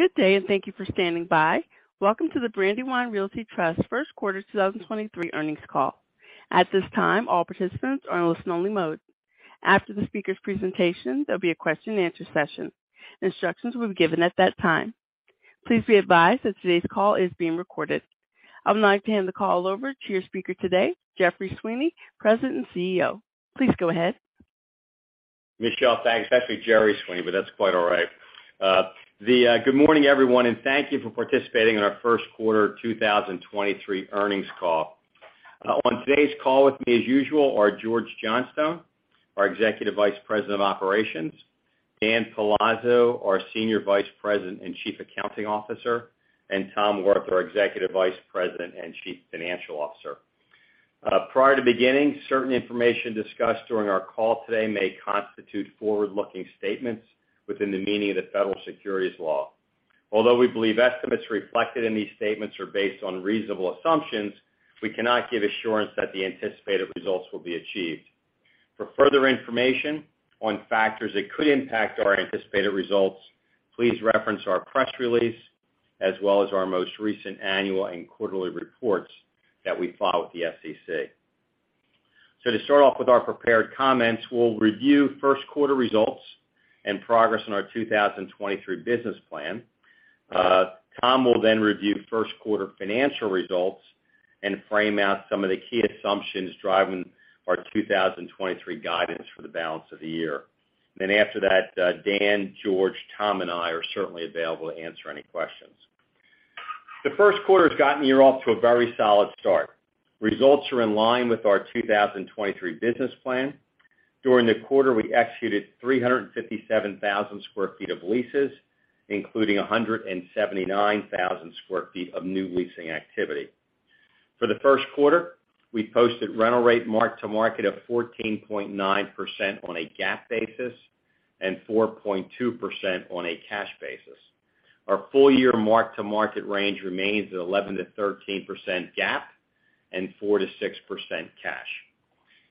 Good day. Thank you for standing by. Welcome to the Brandywine Realty Trust First Quarter 2023 Earnings Call. At this time, all participants are in listen-only mode. After the speaker's presentation, there'll be a question-and-answer session. Instructions will be given at that time. Please be advised that today's call is being recorded. I would like to hand the call over to your speaker today, Jerry Sweeney, President and CEO. Please go ahead. Michelle, thanks. It's actually Jerry Sweeney, that's quite all right. Good morning, everyone, thank you for participating in our first quarter 2023 earnings call. On today's call with me as usual are George Johnstone, our Executive Vice President of Operations, Dan Palazzo, our Senior Vice President and Chief Accounting Officer, Tom Wirth, our Executive Vice President and Chief Financial Officer. Prior to beginning, certain information discussed during our call today may constitute forward-looking statements within the meaning of the federal securities law. We believe estimates reflected in these statements are based on reasonable assumptions, we cannot give assurance that the anticipated results will be achieved. For further information on factors that could impact our anticipated results, please reference our press release as well as our most recent annual and quarterly reports that we file with the SEC. To start off with our prepared comments, we'll review first quarter results and progress on our 2023 business plan. Tom will then review first quarter financial results and frame out some of the key assumptions driving our 2023 guidance for the balance of the year. After that, Dan, George, Tom, and I are certainly available to answer any questions. The first quarter's gotten the year off to a very solid start. Results are in line with our 2023 business plan. During the quarter, we executed 357,000 sq ft of leases, including 179,000 sq ft of new leasing activity. For the first quarter, we posted rental rate mark-to-market of 14.9% on a GAAP basis and 4.2% on a cash basis. Our full year mark-to-market range remains at 11%-13% GAAP and 4%-6% cash.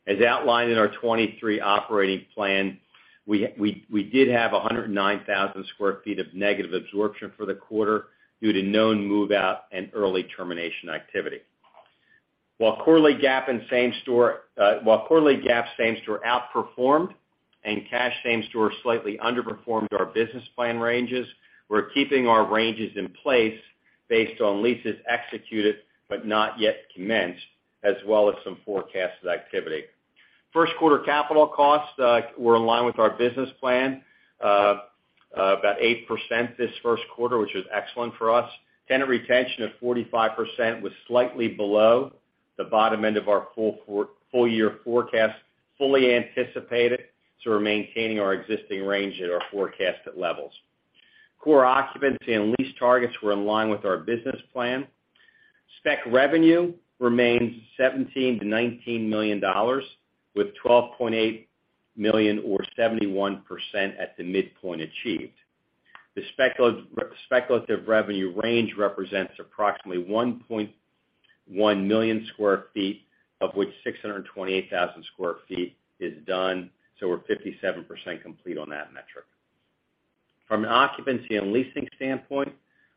As outlined in our 2023 operating plan, we did have 109,000 sq ft of negative absorption for the quarter due to known move-out and early termination activity. While quarterly GAAP same store outperformed and cash same store slightly underperformed our business plan ranges, we're keeping our ranges in place based on leases executed but not yet commenced, as well as some forecasted activity. First quarter capital costs were in line with our business plan, about 8% this first quarter, which is excellent for us. Tenant retention of 45% was slightly below the bottom end of our full year forecast, fully anticipated, so we're maintaining our existing range at our forecasted levels. Core occupancy and lease targets were in line with our business plan. Spec revenue remains $17 million-$19 million, with $12.8 million or 71% at the midpoint achieved. The speculative revenue range represents approximately 1.1 million sq ft, of which 628,000 sq ft is done, so we're 57% complete on that metric. From an occupancy and leasing standpoint,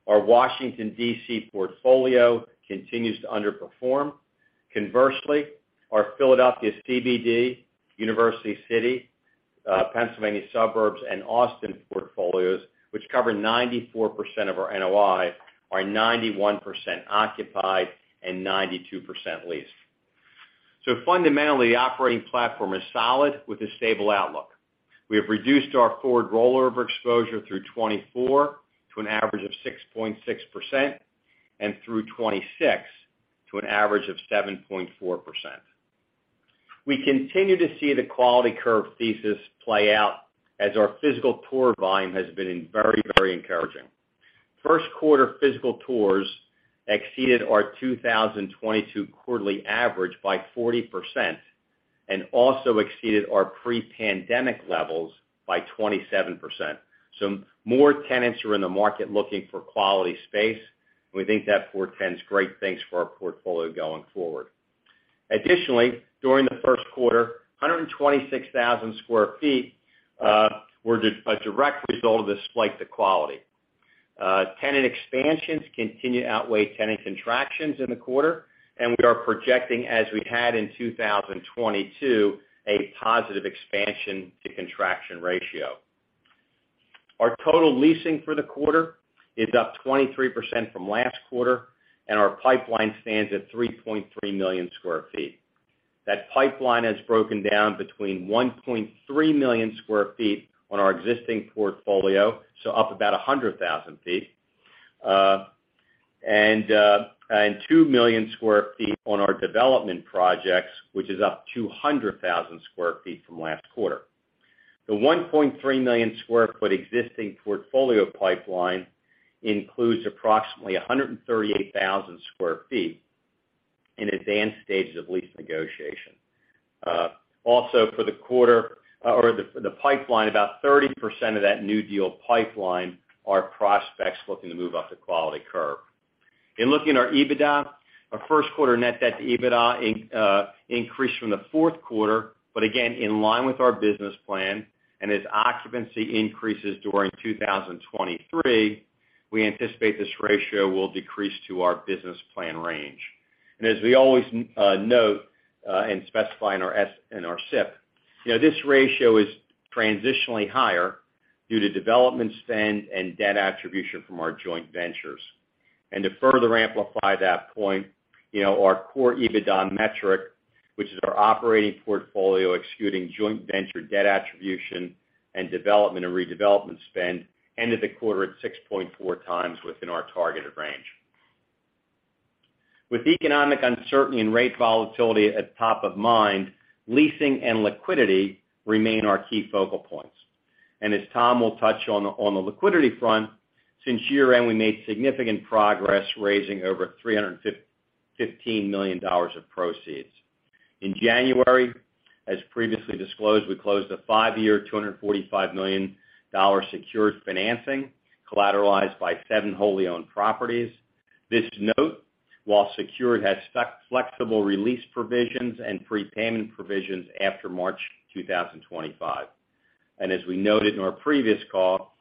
our Washington, D.C. portfolio continues to underperform. Conversely, our Philadelphia CBD, University City, Pennsylvania suburbs, and Austin portfolios, which cover 94% of our NOI, are 91% occupied and 92% leased. Fundamentally, the operating platform is solid with a stable outlook. We have reduced our forward rollover exposure through 2024 to an average of 6.6% and through 2026 to an average of 7.4%. We continue to see the quality curve thesis play out as our physical tour volume has been very, very encouraging. First quarter physical tours exceeded our 2022 quarterly average by 40% and also exceeded our pre-pandemic levels by 27%. More tenants are in the market looking for quality space, and we think that portends great things for our portfolio going forward. Additionally, during the first quarter, 126,000 sq ft were a direct result of this flight to quality. Tenant expansions continue to outweigh tenant contractions in the quarter, and we are projecting, as we had in 2022, a positive expansion to contraction ratio. Our total leasing for the quarter is up 23% from last quarter, and our pipeline stands at 3.3 million sq ft. That pipeline has broken down between 1.3 million sq ft on our existing portfolio, so up about 100,000 feet, and 2 million sq ft on our development projects, which is up 200,000 sq ft from last quarter. The 1.3 million sq ft existing portfolio pipeline includes approximately 138,000 sq ft in advanced stages of lease negotiation. Also for the quarter or the pipeline, about 30% of that new deal pipeline are prospects looking to move up the quality curve. In looking at our EBITDA, our first quarter net debt to EBITDA increased from the fourth quarter, but again, in line with our business plan. As occupancy increases during 2023, we anticipate this ratio will decrease to our business plan range. As we always note, and specify in our SIP, you know, this ratio is transitionally higher due to development spend and debt attribution from our joint ventures. To further amplify that point, you know, our core EBITDA metric, which is our operating portfolio, excluding joint venture debt attribution and development and redevelopment spend, ended the quarter at 6.4x within our targeted range. With economic uncertainty and rate volatility at top of mind, leasing and liquidity remain our key focal points. As Tom will touch on the liquidity front, since year-end, we made significant progress, raising over $315 million of proceeds. In January, as previously disclosed, we closed a 5-year, $245 million secured financing collateralized by seven wholly owned properties. This note, while secured, has flexible release provisions and prepayment provisions after March 2025. As we noted in our previous call,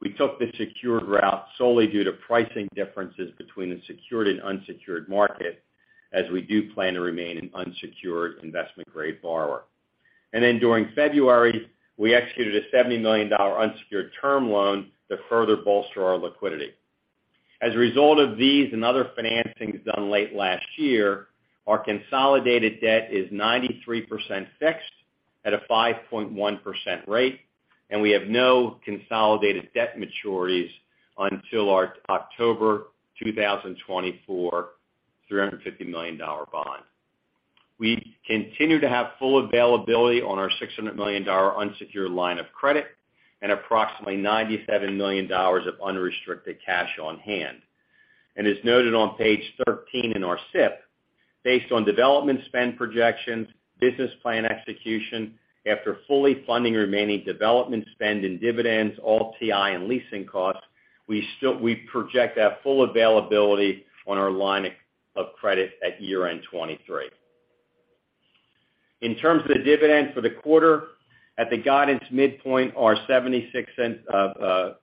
we took the secured route solely due to pricing differences between the secured and unsecured market, as we do plan to remain an unsecured investment-grade borrower. During February, we executed a $70 million unsecured term loan to further bolster our liquidity. As a result of these and other financings done late last year, our consolidated debt is 93% fixed at a 5.1% rate, and we have no consolidated debt maturities until our October 2024, $350 million bond. We continue to have full availability on our $600 million unsecured line of credit and approximately $97 million of unrestricted cash on hand. As noted on page 13 in our SIP, based on development spend projections, business plan execution, after fully funding remaining development spend in dividends, all TI and leasing costs, we project to have full availability on our line of credit at year-end 2023. In terms of the dividend for the quarter, at the guidance midpoint, our $0.76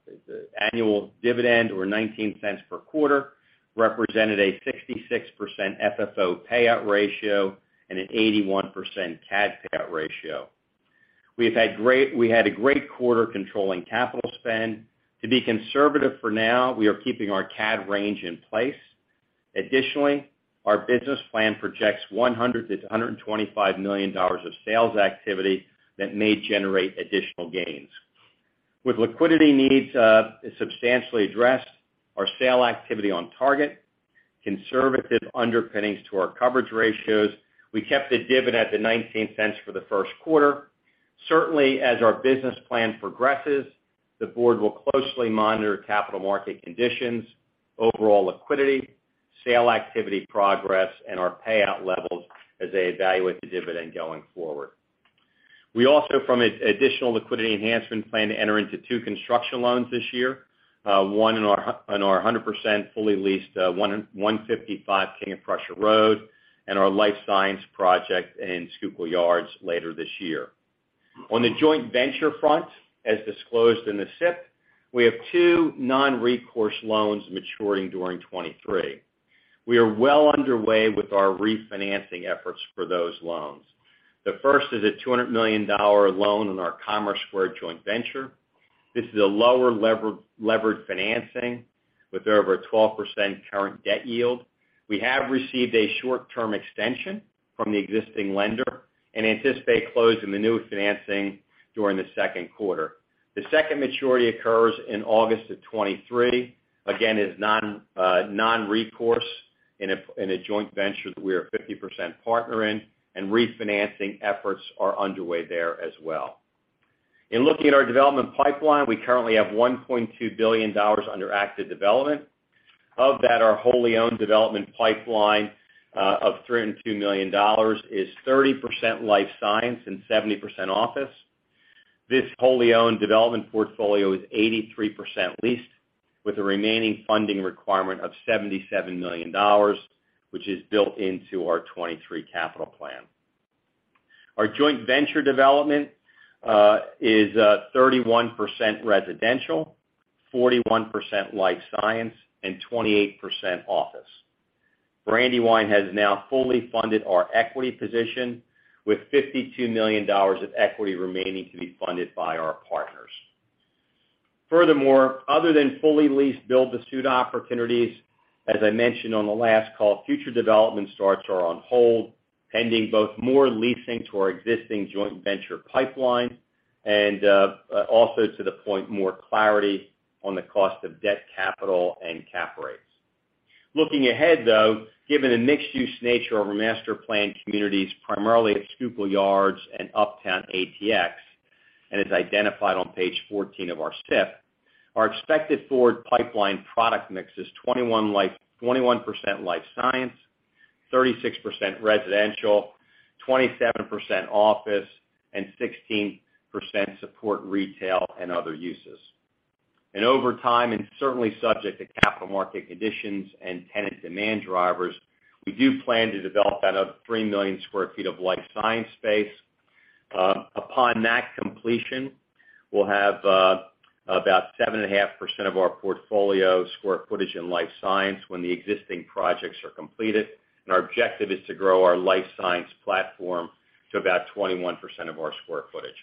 annual dividend or $0.19 per quarter represented a 66% FFO payout ratio and an 81% CAD payout ratio. We had a great quarter controlling capital spend. To be conservative for now, we are keeping our CAD range in place. Additionally, our business plan projects $100 million-$125 million of sales activity that may generate additional gains. With liquidity needs, substantially addressed, our sale activity on target, conservative underpinnings to our coverage ratios, we kept the dividend at $0.19 for the first quarter. Certainly, as our business plan progresses, the board will closely monitor capital market conditions, overall liquidity, sale activity progress, and our payout levels as they evaluate the dividend going forward. We also, from an additional liquidity enhancement plan, enter into two construction loans this year, one in our 100% fully leased, 155 King of Prussia Road and our life science project in Schuylkill Yards later this year. On the joint venture front, as disclosed in the SIP, we have two non-recourse loans maturing during 2023. We are well underway with our refinancing efforts for those loans. The first is a $200 million loan on our Commerce Square joint venture. This is a lower levered financing with over a 12% current debt yield. We have received a short-term extension from the existing lender and anticipate closing the new financing during the second quarter. The second maturity occurs in August of 2023. Again, it's non-recourse in a joint venture that we are a 50% partner in. Refinancing efforts are underway there as well. In looking at our development pipeline, we currently have $1.2 billion under active development. Of that, our wholly owned development pipeline of $302 million is 30% life science and 70% office. This wholly owned development portfolio is 83% leased with a remaining funding requirement of $77 million, which is built into our 2023 capital plan. Our joint venture development is 31% residential, 41% life science, and 28% office. Brandywine has now fully funded our equity position with $52 million of equity remaining to be funded by our partners. Furthermore, other than fully leased build-to-suit opportunities, as I mentioned on the last call, future development starts are on hold, pending both more leasing to our existing joint venture pipeline and also to the point, more clarity on the cost of debt capital and cap rates. Looking ahead, though, given the mixed-use nature of our master planned communities, primarily at Schuylkill Yards and Uptown ATX, and as identified on page 14 of our SIP, our expected forward pipeline product mix is 21% life science, 36% residential, 27% office, and 16% support retail and other uses. Over time, and certainly subject to capital market conditions and tenant demand drivers, we do plan to develop that other 3 million sq ft of life science space. Upon that completion, we'll have about 7.5% of our portfolio square footage in life science when the existing projects are completed. Our objective is to grow our life science platform to about 21% of our square footage.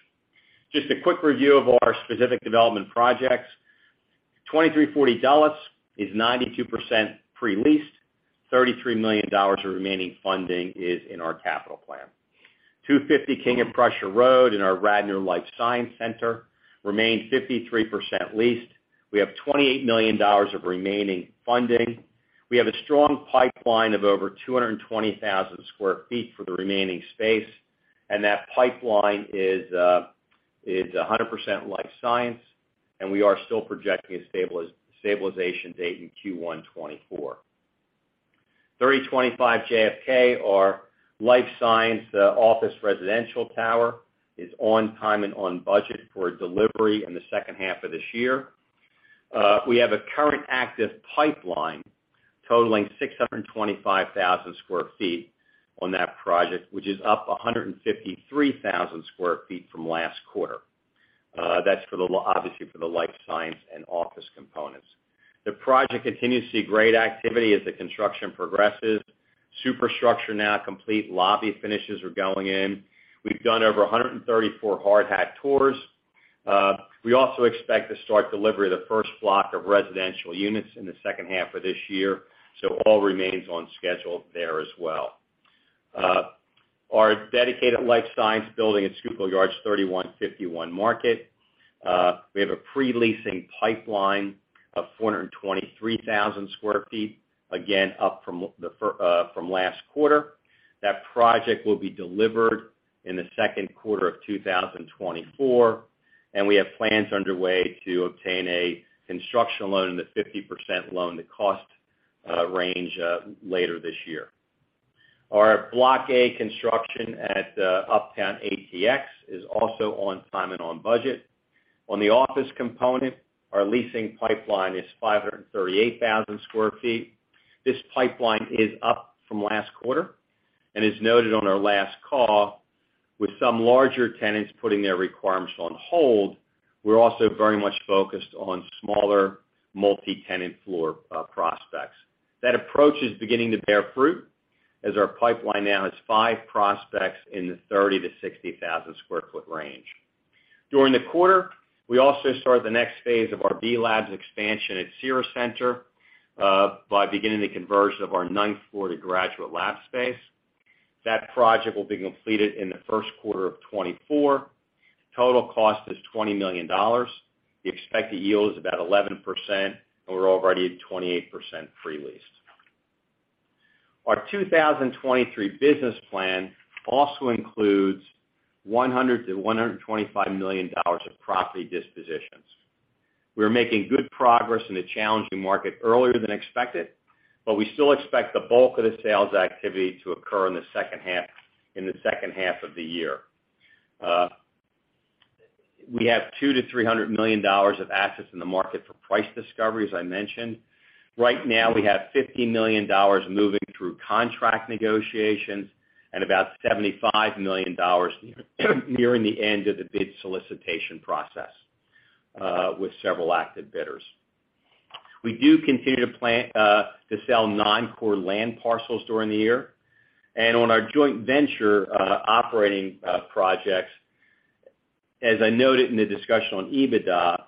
Just a quick review of our specific development projects. 2340 Dulles is 92% pre-leased, $33 million of remaining funding is in our capital plan. 250 King of Prussia Road in our Radnor Life Science Center remains 53% leased. We have $28 million of remaining funding. We have a strong pipeline of over 220,000 sq ft for the remaining space. That pipeline is 100% life science. We are still projecting a stabilization date in Q1 2024. 3025 JFK Blvd, our life science office residential tower, is on time and on budget for delivery in the second half of this year. We have a current active pipeline totaling 625,000 sq ft on that project, which is up 153,000 sq ft from last quarter. That's for the obviously, for the life science and office components. The project continues to see great activity as the construction progresses. Superstructure now complete. Lobby finishes are going in. We've done over 134 hard hat tours. We also expect to start delivery of the first block of residential units in the second half of this year. All remains on schedule there as well. Our dedicated life science building at Schuylkill Yards, 3151 Market. We have a pre-leasing pipeline of 423,000 sq ft, again, up from last quarter. That project will be delivered in the second quarter of 2024. We have plans underway to obtain a construction loan and a 50% loan to cost range later this year. Our Block A construction at Uptown ATX is also on time and on budget. On the office component, our leasing pipeline is 538,000 sq ft. This pipeline is up from last quarter. As noted on our last call, with some larger tenants putting their requirements on hold, we're also very much focused on smaller multi-tenant floor prospects. That approach is beginning to bear fruit, as our pipeline now has five prospects in the 30,000-60,000 sq ft range. During the quarter, we also started the next phase of our B+labs expansion at Cira Centre by beginning the conversion of our ninth floor to graduate lab space. That project will be completed in the first quarter of 2024. Total cost is $20 million. The expected yield is about 11%, and we're already at 28% pre-leased. Our 2023 business plan also includes $100 million-$125 million of property dispositions. We're making good progress in a challenging market earlier than expected, but we still expect the bulk of the sales activity to occur in the second half of the year. We have $200 million-$300 million of assets in the market for price discovery, as I mentioned. Right now, we have $50 million moving through contract negotiations and about $75 million nearing the end of the bid solicitation process with several active bidders. We do continue to plan to sell non-core land parcels during the year. On our joint venture operating projects, as I noted in the discussion on EBITDA,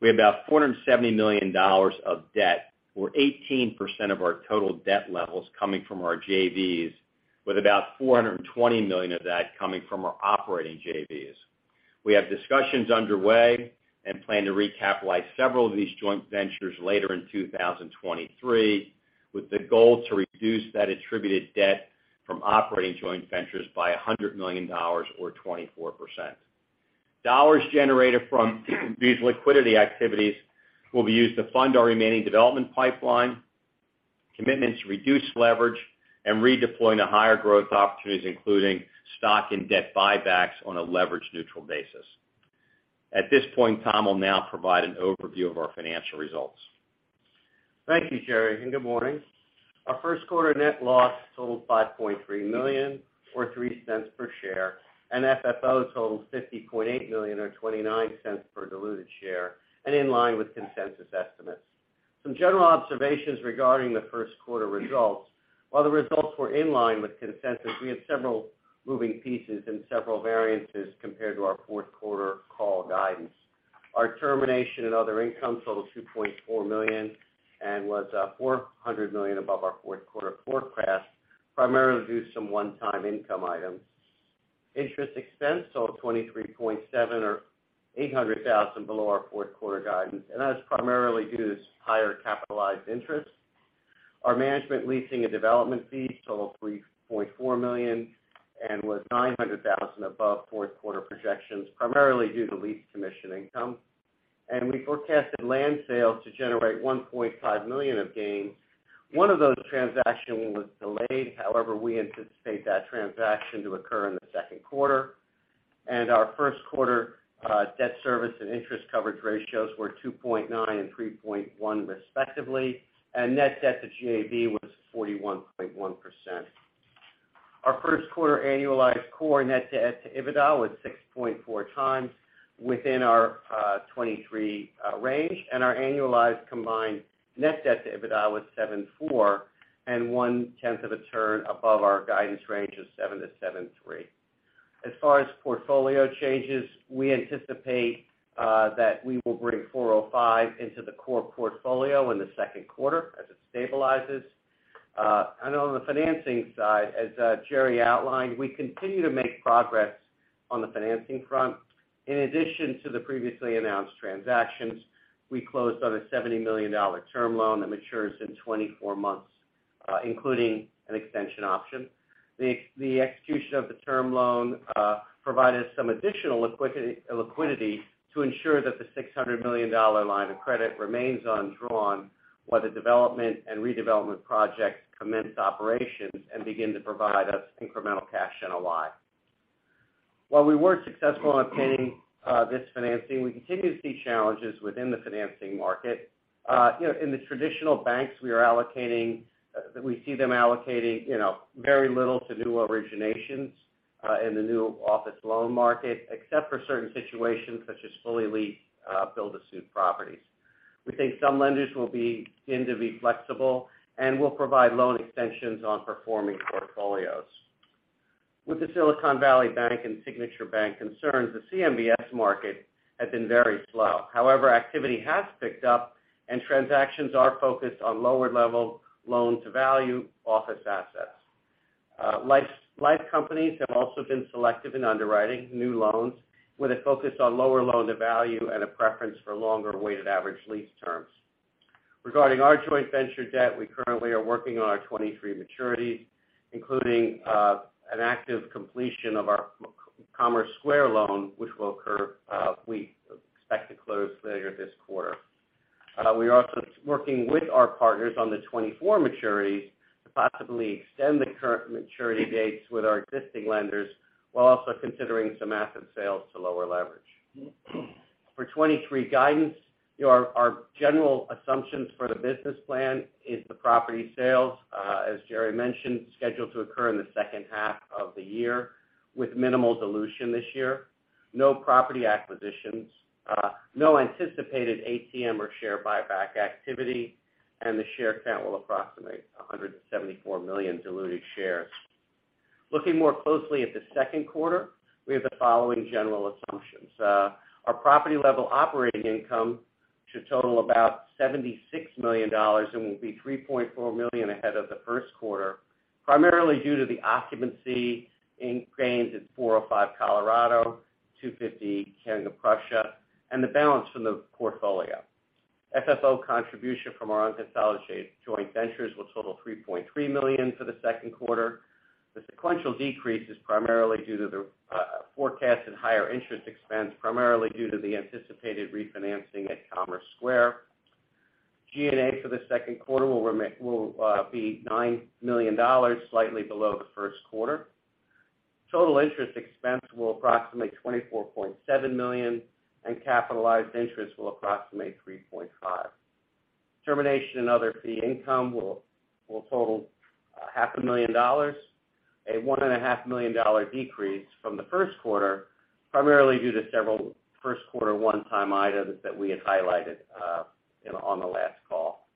we have about $470 million of debt, or 18% of our total debt levels coming from our JVs, with about $420 million of that coming from our operating JVs. We have discussions underway and plan to recapitalize several of these joint ventures later in 2023, with the goal to reduce that attributed debt from operating joint ventures by $100 million or 24%. Dollars generated from these liquidity activities will be used to fund our remaining development pipeline, commitments to reduce leverage, and redeploying to higher growth opportunities, including stock and debt buybacks on a leverage-neutral basis. At this point, Tom will now provide an overview of our financial results. Thank you, Jerry, and good morning. Our first quarter net loss totaled $5.3 million or $0.03 per share, and FFO totaled $50.8 million or $0.29 per diluted share and in line with consensus estimates. Some general observations regarding the first quarter results. While the results were in line with consensus, we had several moving pieces and several variances compared to our fourth quarter call guidance. Our termination and other income totaled $2.4 million and was $400 million above our fourth quarter forecast, primarily due to some one-time income items. Interest expense totaling $23.7 million or $800,000 below our fourth quarter guidance, and that is primarily due to higher capitalized interest. Our management leasing and development fees totaled $3.4 million and was $900,000 above fourth quarter projections, primarily due to lease commission income. We forecasted land sales to generate $1.5 million of gains. One of those transactions was delayed. However, we anticipate that transaction to occur in the second quarter. Our first quarter debt service and interest coverage ratios were 2.9 and 3.1 respectively, and net debt to GAV was 41.1%. Our first quarter annualized core net debt to EBITDA was 6.4x within our 2023 range, and our annualized combined net debt to EBITDA was 7.4 and $0.01 of a turn above our guidance range of 7 to 7.3. As far as portfolio changes, we anticipate that we will bring 405 Colorado into the core portfolio in the second quarter as it stabilizes. On the financing side, as Jerry outlined, we continue to make progress on the financing front. In addition to the previously announced transactions, we closed on a $70 million term loan that matures in 24 months, including an extension option. The execution of the term loan provided some additional liquidity to ensure that the $600 million line of credit remains undrawn while the development and redevelopment project commence operations and begin to provide us incremental cash and a lot. While we were successful in obtaining this financing, we continue to see challenges within the financing market. you know, in the traditional banks, we are allocating, we see them allocating, you know, very little to new originations, in the new office loan market, except for certain situations such as fully leased, build-to-suit properties. We think some lenders tend to be flexible and will provide loan extensions on performing portfolios. With the Silicon Valley Bank and Signature Bank concerns, the CMBS market has been very slow. However, activity has picked up and transactions are focused on lower level loan to value office assets. life companies have also been selective in underwriting new loans, with a focus on lower loan to value and a preference for longer weighted average lease terms. Regarding our choice venture debt, we currently are working on our 2023 maturities, including an active completion of our Commerce Square loan, which will occur, we expect to close later this quarter. We are also working with our partners on the 2024 maturities to possibly extend the current maturity dates with our existing lenders, while also considering some asset sales to lower leverage. For 2023 guidance, you know, our general assumptions for the business plan is the property sales, as Jerry mentioned, scheduled to occur in the second half of the year with minimal dilution this year. No property acquisitions, no anticipated ATM or share buyback activity, the share count will approximate 174 million diluted shares. Looking more closely at the second quarter, we have the following general assumptions. Our property level operating income should total about $76 million and will be $3.4 million ahead of the first quarter, primarily due to the occupancy in gains at 405 Colorado, 250 King of Prussia, and the balance from the portfolio. FFO contribution from our unconsolidated joint ventures will total $3.3 million for the second quarter. The sequential decrease is primarily due to the forecasted higher interest expense, primarily due to the anticipated refinancing at Commerce Square. G&A for the second quarter will be $9 million, slightly below the first quarter. Total interest expense will approximate $24.7 million, and capitalized interest will approximate $3.5 million. Termination and other fee income will total $500,000, a $1,500,000 decrease from the first quarter, primarily due to several first quarter one-time items that we had highlighted, you know, on the last call.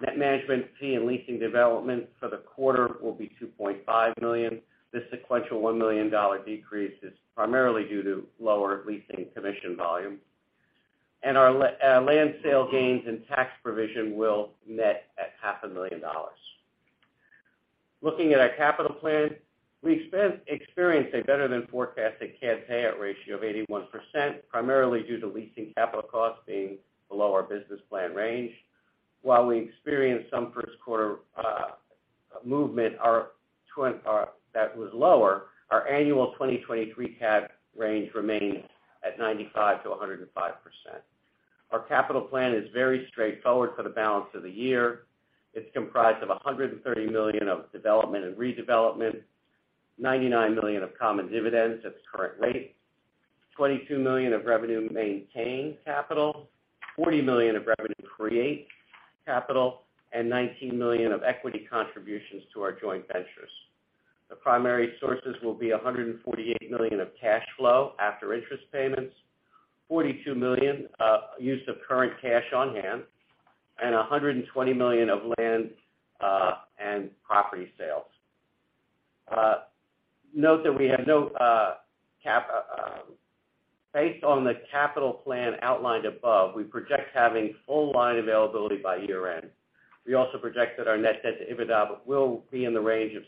Net management fee and leasing development for the quarter will be $2.5 million. This sequential $1 million decrease is primarily due to lower leasing commission volume. Our land sale gains and tax provision will net at $500,000. Looking at our capital plan, we experienced a better-than-forecasted CAD Payout Ratio of 81%, primarily due to leasing capital costs being below our business plan range. While we experienced some first quarter movement that was lower, our annual 2023 CAD range remains at 95%-105%. Our capital plan is very straightforward for the balance of the year. It's comprised of $130 million of development and redevelopment, $99 million of common dividends at the current rate, $22 million of revenue maintained capital, $40 million of revenue create capital, and $19 million of equity contributions to our joint ventures. The primary sources will be $148 million of cash flow after interest payments, $42 million use of current cash on hand, and $120 million of land and property sales. Note that we have no capital based on the capital plan outlined above, we project having full line availability by year-end. We also project that our net debt to EBITDA will be in the range of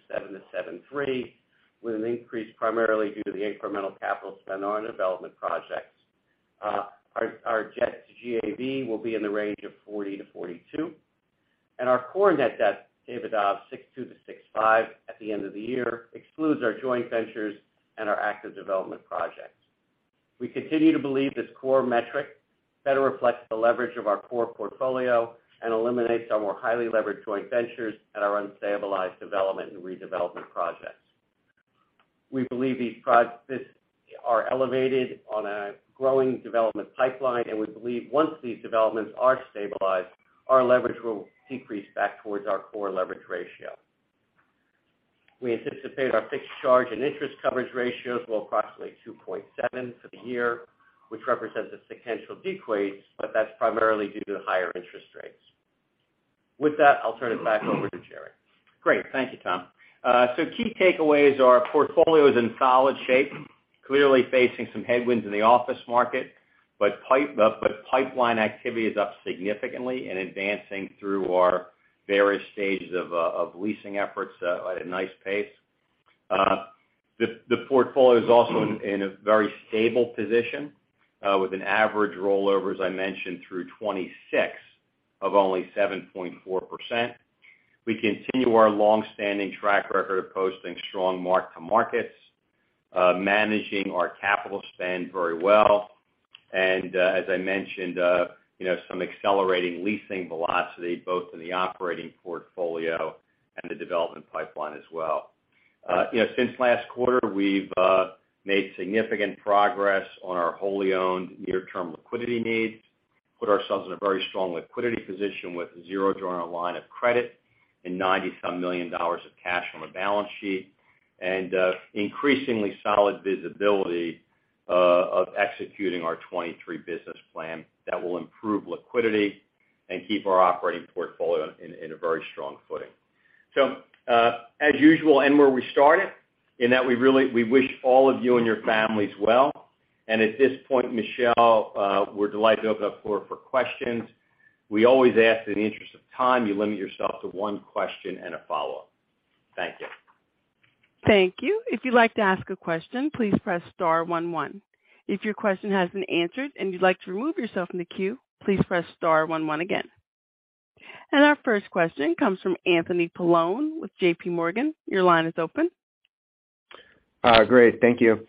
7-7.3, with an increase primarily due to the incremental capital spend on our development projects. Our debt to GAV will be in the range of 40-42. Our core net debt, EBITDA of 6.2-6.5 at the end of the year excludes our joint ventures and our active development projects. We continue to believe this core metric better reflects the leverage of our core portfolio and eliminates our more highly leveraged joint ventures and our unstabilized development and redevelopment projects. We believe these projects are elevated on a growing development pipeline, and we believe once these developments are stabilized, our leverage will decrease back towards our core leverage ratio. We anticipate our fixed charge and interest coverage ratios will approximate 2.7 for the year, which represents a sequential decrease, but that's primarily due to higher interest rates. With that, I'll turn it back over to Jerry. Great. Thank you, Tom. key takeaways. Our portfolio is in solid shape, clearly facing some headwinds in the office market, but pipeline activity is up significantly and advancing through our various stages of leasing efforts at a nice pace. The portfolio is also in a very stable position, with an average rollover, as I mentioned, through 2026 of only 7.4%. We continue our long-standing track record of posting strong mark-to-markets, managing our capital spend very well. as I mentioned, you know, some accelerating leasing velocity, both in the operating portfolio and the development pipeline as well. You know, since last quarter, we've made significant progress on our wholly owned near-term liquidity needs, put ourselves in a very strong liquidity position with zero draw on our line of credit and $90-some million of cash on the balance sheet. Increasingly solid visibility of executing our 2023 business plan that will improve liquidity and keep our operating portfolio in a very strong footing. As usual, and where we started, in that we wish all of you and your families well. At this point, Michelle, we're delighted to open up the floor for questions. We always ask that in the interest of time, you limit yourself to one question and a follow-up. Thank you. Thank you. If you'd like to ask a question, please press star one one. If your question has been answered and you'd like to remove yourself from the queue, please press star one one again. Our first question comes from Anthony Paolone with JPMorgan. Your line is open. Great, thank you.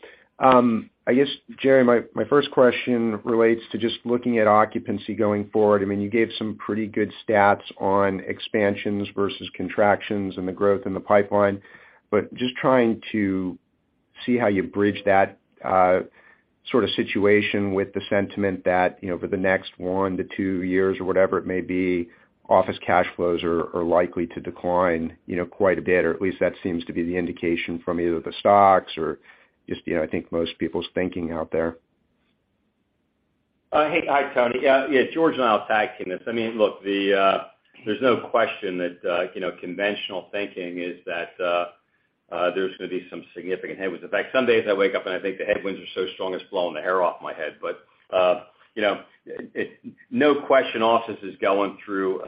I guess, Jerry, my first question relates to just looking at occupancy going forward. I mean, you gave some pretty good stats on expansions versus contractions and the growth in the pipeline. Just trying to see how you bridge that sort of situation with the sentiment that, you know, for the next one to two years or whatever it may be, office cash flows are likely to decline? you know, quite a bit, or at least that seems to be the indication from either the stocks or just, you know, I think most people's thinking out there. Hey. Hi, Tony. Yeah, George and I will tag team this. I mean, look, there's no question that, you know, conventional thinking is that there's going to be some significant headwinds. In fact, some days I wake up, I think the headwinds are so strong, it's blowing the hair off my head. You know, no question office is going through,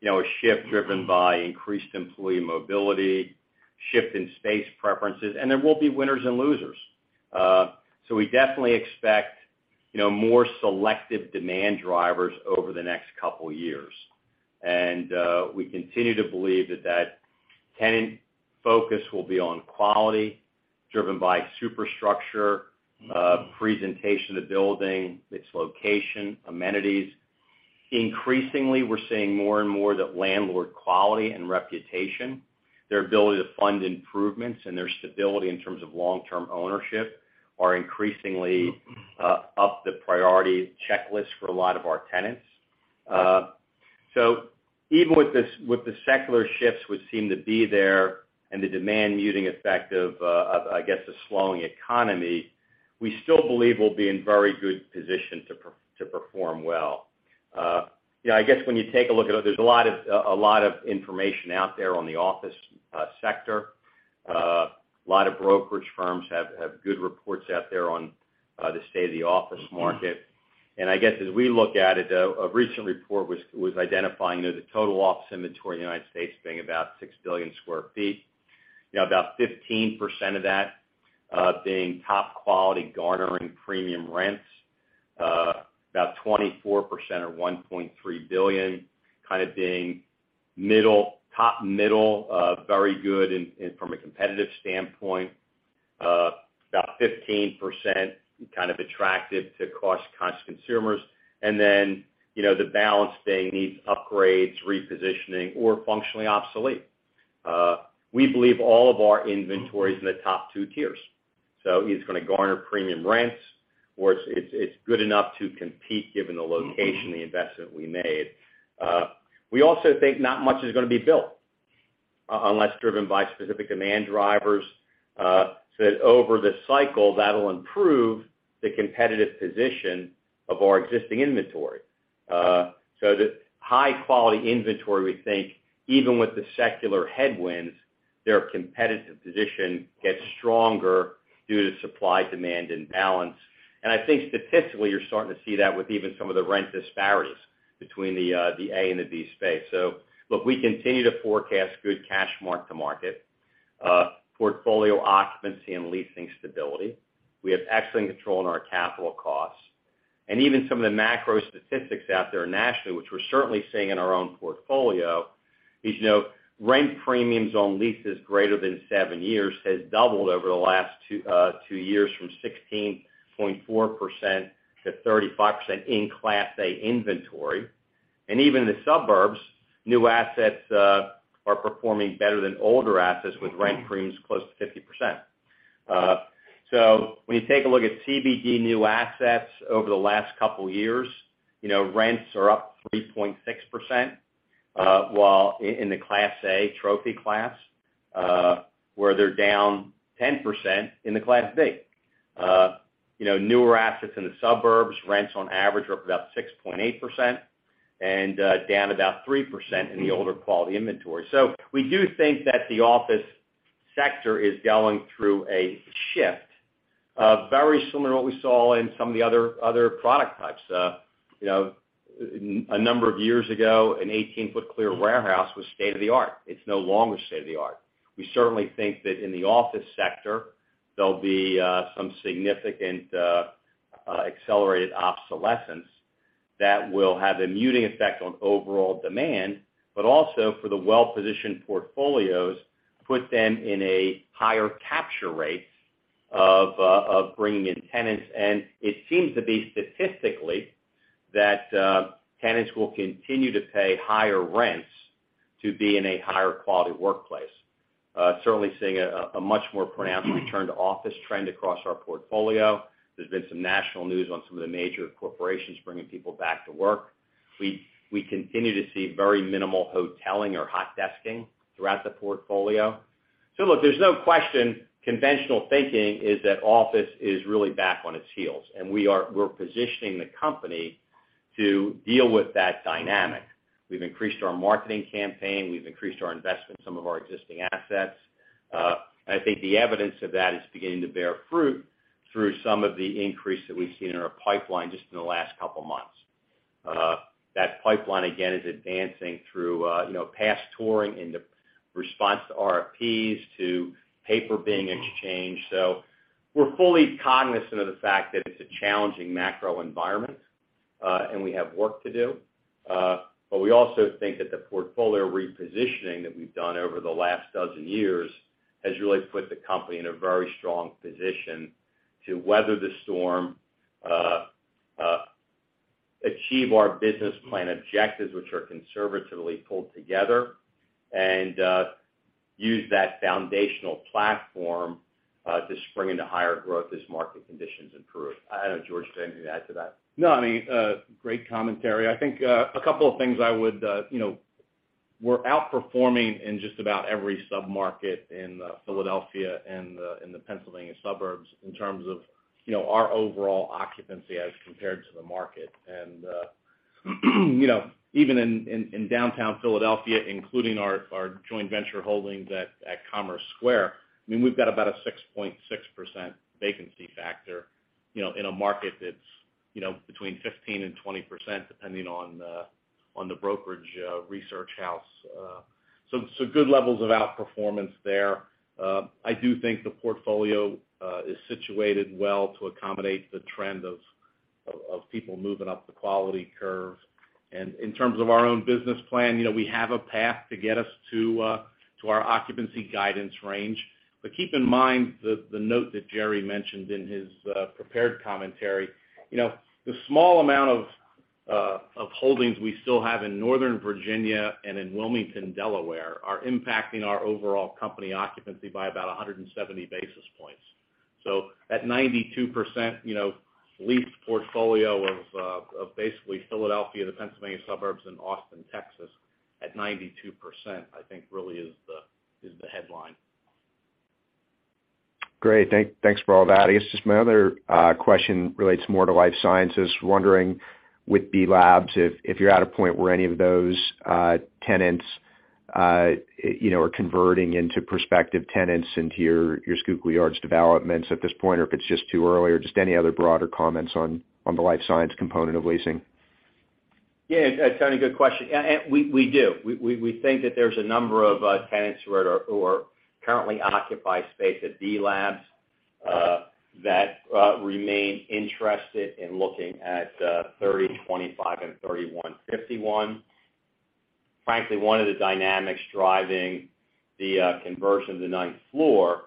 you know, a shift driven by increased employee mobility, shift in space preferences, and there will be winners and losers. We definitely expect, you know, more selective demand drivers over the next couple years. We continue to believe that tenant focus will be on quality driven by superstructure, presentation of the building, its location, amenities. Increasingly, we're seeing more and more that landlord quality and reputation, their ability to fund improvements and their stability in terms of long-term ownership are increasingly up the priority checklist for a lot of our tenants. Even with the secular shifts, which seem to be there, and the demand muting effect of, I guess, a slowing economy, we still believe we'll be in very good position to perform well. You know, I guess when you take a look at it, there's a lot of information out there on the office sector. A lot of brokerage firms have good reports out there on the state of the office market. I guess as we look at it, a recent report was identifying, you know, the total office inventory in the United States being about 6 billion sq ft. You know, about 15% of that being top quality, garnering premium rents, about 24% or 1.3 billion kind of being middle, top middle, very good in from a competitive standpoint, about 15% kind of attractive to cost-conscious consumers. You know, the balance being needs upgrades, repositioning, or functionally obsolete. We believe all of our inventory is in the top two tiers. It's gonna garner premium rents, or it's, it's good enough to compete given the location, the investment we made. We also think not much is gonna be built unless driven by specific demand drivers, so that over the cycle, that'll improve the competitive position of our existing inventory. The high-quality inventory, we think, even with the secular headwinds, their competitive position gets stronger due to supply, demand, and balance. I think statistically, you're starting to see that with even some of the rent disparities between the A and the B space. Look, we continue to forecast good cash mark-to-market, portfolio occupancy and leasing stability. We have excellent control on our capital costs. Even some of the macro statistics out there nationally, which we're certainly seeing in our own portfolio, is, you know, rent premiums on leases greater than seven years has doubled over the last two years from 16.4% to 35% in Class A inventory. Even the suburbs, new assets, are performing better than older assets with rent premiums close to 50%. When you take a look at CBD new assets over the last couple years, you know, rents are up 3.6%, while in the Class A trophy class, where they're down 10% in the Class B. You know, newer assets in the suburbs, rents on average are up about 6.8% and down about 3% in the older quality inventory. We do think that the office sector is going through a shift, very similar to what we saw in some of the other product types. You know, a number of years ago, an 18-foot clear warehouse was state-of-the-art. It's no longer state-of-the-art. We certainly think that in the office sector, there'll be some significant accelerated obsolescence that will have a muting effect on overall demand, but also for the well-positioned portfolios, put them in a higher capture rate of bringing in tenants. It seems to be statistically that tenants will continue to pay higher rents to be in a higher quality workplace. Certainly seeing a much more pronounced return to office trend across our portfolio. There's been some national news on some of the major corporations bringing people back to work. We continue to see very minimal hoteling or hot desking throughout the portfolio. Look, there's no question conventional thinking is that office is really back on its heels, and we're positioning the company to deal with that dynamic. We've increased our marketing campaign. We've increased our investment in some of our existing assets. I think the evidence of that is beginning to bear fruit through some of the increase that we've seen in our pipeline just in the last couple months. That pipeline, again, is advancing through, you know, past touring into response to RFPs, to paper being exchanged. We're fully cognizant of the fact that it's a challenging macro environment, and we have work to do. We also think that the portfolio repositioning that we've done over the last dozen years has really put the company in a very strong position to weather the storm, achieve our business plan objectives, which are conservatively pulled together, and use that foundational platform to spring into higher growth as market conditions improve. I don't know, George, if you have anything to add to that. I mean, great commentary. I think a couple of things I would, you know, we're outperforming in just about every sub-market in Philadelphia and the Pennsylvania suburbs in terms of, you know, our overall occupancy as compared to the market. You know, even in downtown Philadelphia, including our joint venture holdings at Commerce Square, I mean, we've got about a 6.6% vacancy factor, you know, in a market that's, you know, between 15% and 20%, depending on the brokerage research house. Good levels of outperformance there. I do think the portfolio is situated well to accommodate the trend of people moving up the quality curve. In terms of our own business plan, you know, we have a path to get us to our occupancy guidance range. But keep in mind the note that Jerry mentioned in his prepared commentary. You know, the small amount of holdings we still have in Northern Virginia and in Wilmington, Delaware, are impacting our overall company occupancy by about 170 basis points. So at 92%, you know, leased portfolio of basically Philadelphia, the Pennsylvania suburbs, and Austin, Texas, at 92%, I think really is the, is the headline. Great. Thanks for all that. I guess just my other question relates more to life sciences. Wondering with B+labs if you're at a point where any of those tenants, you know, are converting into prospective tenants into your Schuylkill Yards developments at this point, or if it's just too early, or just any other broader comments on the life science component of leasing? Yeah, Tony, good question. And we do. We think that there's a number of tenants who are currently occupy space at B+labs that remain interested in looking at 3025 and 3151. Frankly, one of the dynamics driving the conversion of the ninth floor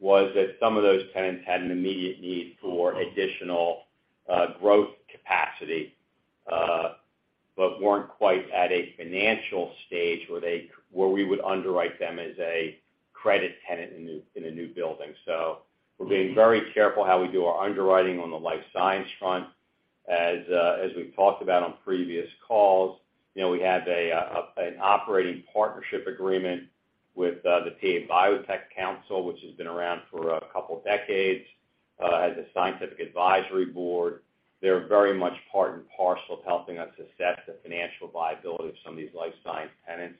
was that some of those tenants had an immediate need for additional growth capacity, but weren't quite at a financial stage where we would underwrite them as a credit tenant in new, in a new building. We're being very careful how we do our underwriting on the life science front. As we've talked about on previous calls, you know, we have an operating partnership agreement with the PA Biotech Council, which has been around for a couple decades as a scientific advisory board. They're very much part and parcel of helping us assess the financial viability of some of these life science tenants.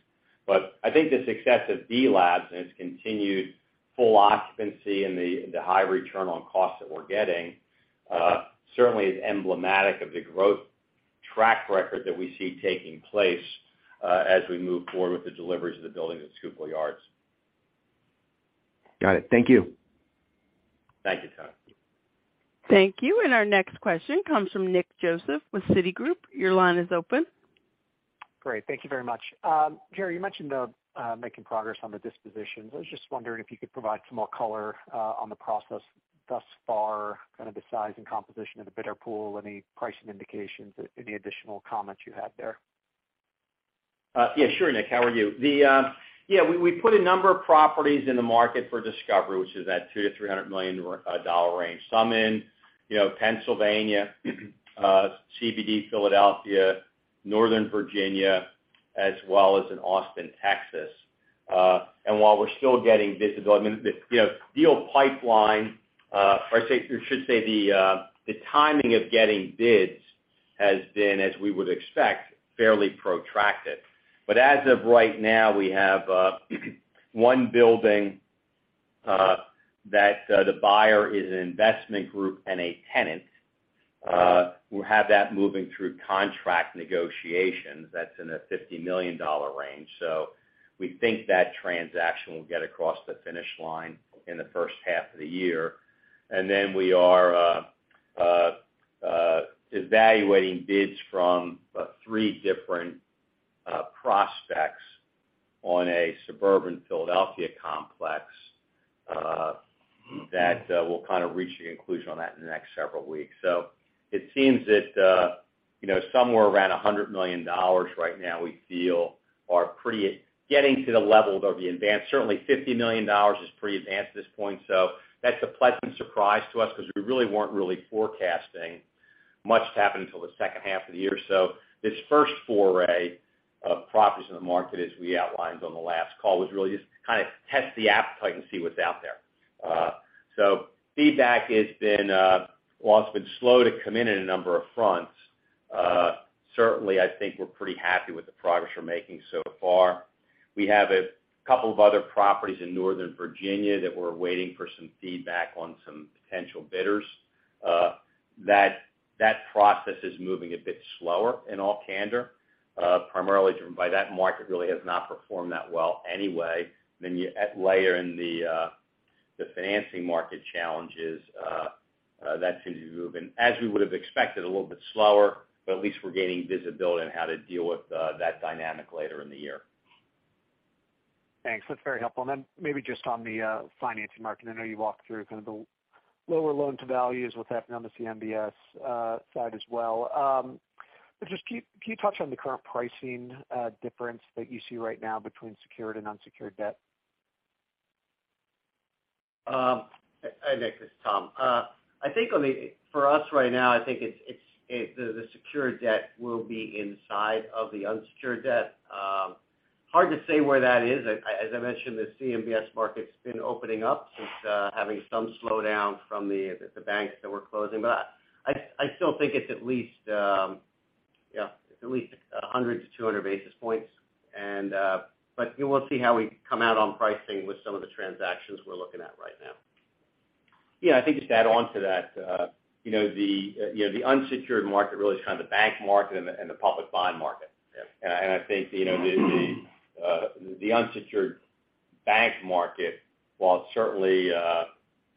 I think the success of B+labs and its continued full occupancy and the high return on costs that we're getting, certainly is emblematic of the growth track record that we see taking place, as we move forward with the deliveries of the buildings at Schuylkill Yards. Got it. Thank you. Thank you, Tony. Thank you. Our next question comes from Nick Joseph with Citigroup. Your line is open. Great. Thank you very much. Jerry, you mentioned making progress on the dispositions. I was just wondering if you could provide some more color on the process thus far, kind of the size and composition of the bidder pool, any pricing indications, any additional comments you have there? Yeah, sure Nick, how are you? Yeah, we put a number of properties in the market for discovery, which is at $200 million-$300 million dollar range. Some in, you know, Pennsylvania, CBD, Philadelphia, Northern Virginia, as well as in Austin, Texas. While we're still getting visibility, I mean, the, you know, deal pipeline, or I should say the timing of getting bids has been, as we would expect, fairly protracted. As of right now, we have one building that the buyer is an investment group and a tenant. We have that moving through contract negotiations that's in a $50 million dollar range. We think that transaction will get across the finish line in the first half of the year. We are evaluating bids from about three different prospects on a suburban Philadelphia complex that we'll kind of reach a conclusion on that in the next several weeks. It seems that, you know, somewhere around $100 million right now, we feel are pretty getting to the level of the advanced. Certainly $50 million is pretty advanced at this point. That's a pleasant surprise to us because we really weren't really forecasting much to happen until the second half of the year. This first foray of properties in the market, as we outlined on the last call, was really just to kind of test the appetite and see what's out there. Feedback has been, while it's been slow to come in in a number of fronts, certainly I think we're pretty happy with the progress we're making so far. We have a couple of other properties in Northern Virginia that we're waiting for some feedback on some potential bidders. That process is moving a bit slower in all candor, primarily driven by that market really has not performed that well anyway. You add layer in the financing market challenges, that seems to be moving, as we would have expected, a little bit slower, but at least we're gaining visibility on how to deal with that dynamic later in the year. Thanks. That's very helpful. maybe just on the financing market, I know you walked through kind of the lower loan to values, what's happening on the CMBS side as well. just can you touch on the current pricing difference that you see right now between secured and unsecured debt? Hi Nick, this is Tom. I think on the for us right now, I think it's the secured debt will be inside of the unsecured debt. Hard to say where that is. As I mentioned, the CMBS market's been opening up since having some slowdown from the banks that were closing. I still think it's at least, yeah, it's at least 100 to 200 basis points. We'll see how we come out on pricing with some of the transactions we're looking at right now. Yeah. I think just to add on to that, you know, the unsecured market really is kind of the bank market and the public bond market. Yeah. I think, you know, the unsecured bank market, while it's certainly,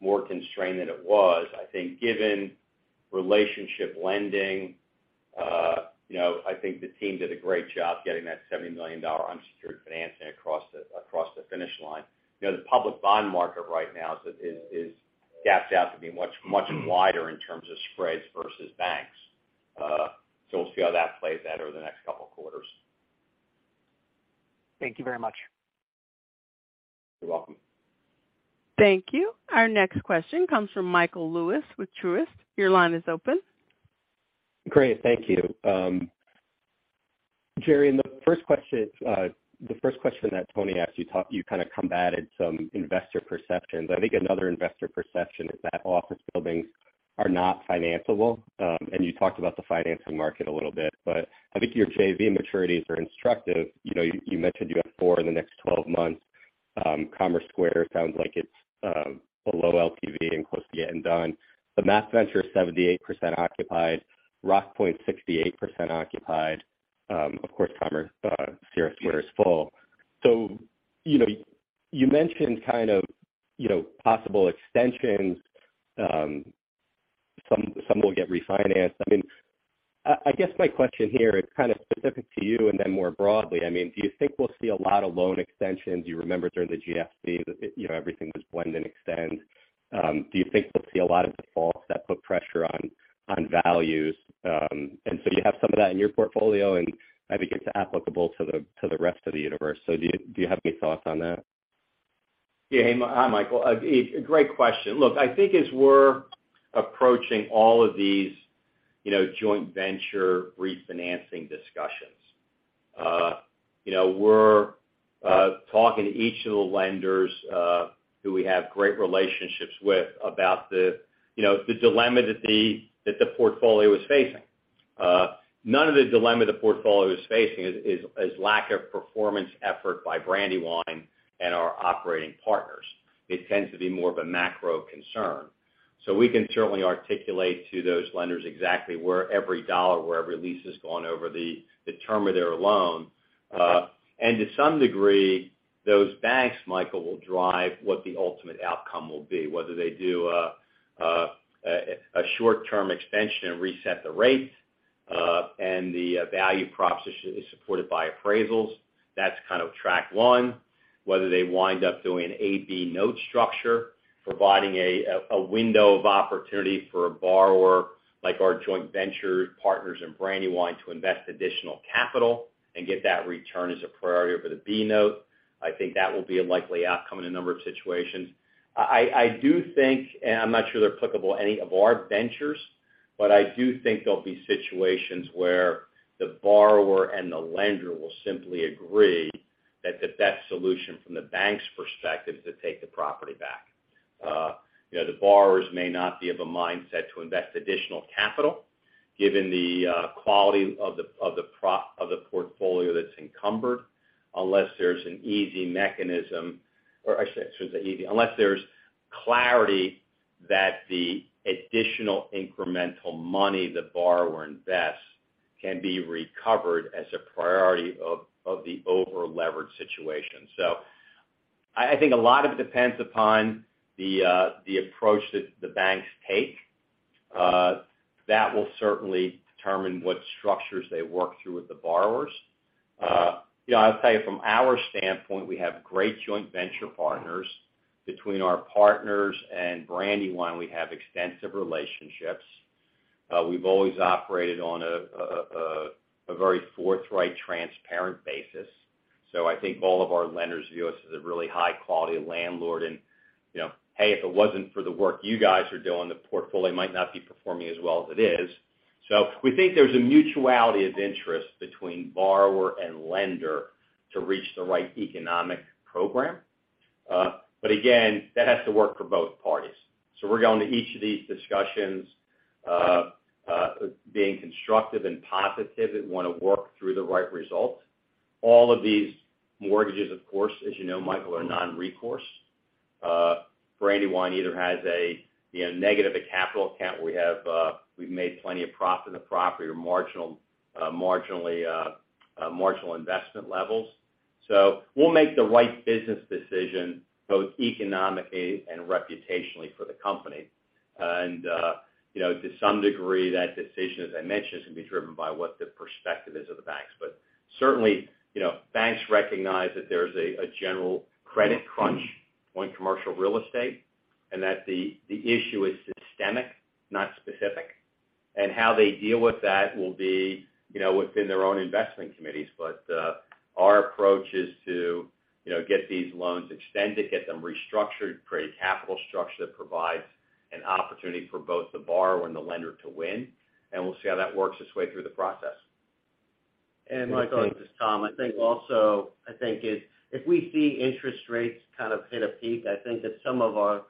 more constrained than it was, I think given relationship lending, you know, I think the team did a great job getting that $70 million unsecured financing across the finish line. The public bond market right now is gapped out to be much, much wider in terms of spreads versus banks. We'll see how that plays out over the next couple of quarters. Thank you very much. You're welcome. Thank you. Our next question comes from Michael Lewis with Truist. Your line is open. Great. Thank you. Jerry, in the first question, the first question that Tony asked, you kind of combated some investor perceptions. I think another investor perception is that office buildings are not financeable, and you talked about the financing market a little bit, but I think your JV maturities are instructive. You know, you mentioned you have four in the next 12 months. Commerce Square sounds like it's below LTV and close to getting done. MAP Venture is 78% occupied, Rockpoint 68% occupied. Of course, Cira Square is full. You know, you mentioned kind of, you know, possible extensions, some will get refinanced. I mean, I guess my question here is kind of specific to you and then more broadly. I mean, do you think we'll see a lot of loan extensions? You remember during the GFC that, you know, everything was lend and extend. Do you think we'll see a lot of defaults that put pressure on values? You have some of that in your portfolio, and I think it's applicable to the rest of the universe. Do you have any thoughts on that? Hey, Michael. A great question. I think as we're approaching all of these, you know, joint venture refinancing discussions, you know, we're talking to each of the lenders who we have great relationships with about the, you know, the dilemma that the portfolio is facing. None of the dilemma the portfolio is facing is lack of performance effort by Brandywine and our operating partners. It tends to be more of a macro concern. We can certainly articulate to those lenders exactly where every dollar, where every lease has gone over the term of their loan. To some degree, those banks, Michael, will drive what the ultimate outcome will be, whether they do a short-term extension and reset the rates and the value proposition is supported by appraisals. That's kind of track one. Whether they wind up doing A/B note structure, providing a window of opportunity for a borrower like our joint venture partners in Brandywine to invest additional capital and get that return as a priority over the B note. I think that will be a likely outcome in a number of situations. I do think, and I'm not sure they're applicable any of our ventures, but I do think there'll be situations where the borrower and the lender will simply agree that the best solution from the bank's perspective is to take the property back. you know, the borrowers may not be of a mindset to invest additional capital given the quality of the portfolio that's encumbered, unless there's an easy mechanism. Or I should say, easy. Unless there's clarity that the additional incremental money the borrower invests can be recovered as a priority of the over-leveraged situation. I think a lot of it depends upon the approach that the banks take. That will certainly determine what structures they work through with the borrowers. You know, I'll tell you from our standpoint, we have great joint venture partners. Between our partners and Brandywine, we have extensive relationships. We've always operated on a very forthright, transparent basis. I think all of our lenders view us as a really high-quality landlord. You know, hey, if it wasn't for the work you guys are doing, the portfolio might not be performing as well as it is. We think there's a mutuality of interest between borrower and lender to reach the right economic program. Again, that has to work for both parties. We're going to each of these discussions, being constructive and positive and wanna work through the right result. All of these mortgages, of course, as you know, Michael, are non-recourse. Brandywine either has a, you know, negative, a capital account we have, we've made plenty of profit in the property or marginal, marginally, marginal investment levels. We'll make the right business decision, both economically and reputationally for the company. You know, to some degree, that decision, as I mentioned, is gonna be driven by what the perspective is of the banks. Certainly, you know, banks recognize that there's a general credit crunch on commercial real estate, and that the issue is systemic, not specific. How they deal with that will be, you know, within their own investment committees. Our approach is to, you know, get these loans extended, get them restructured, create a capital structure that provides an opportunity for both the borrower and the lender to win, and we'll see how that works its way through the process. Michael, this is Tom. I think also, I think if we see interest rates kind of hit a peak, I think that some of our...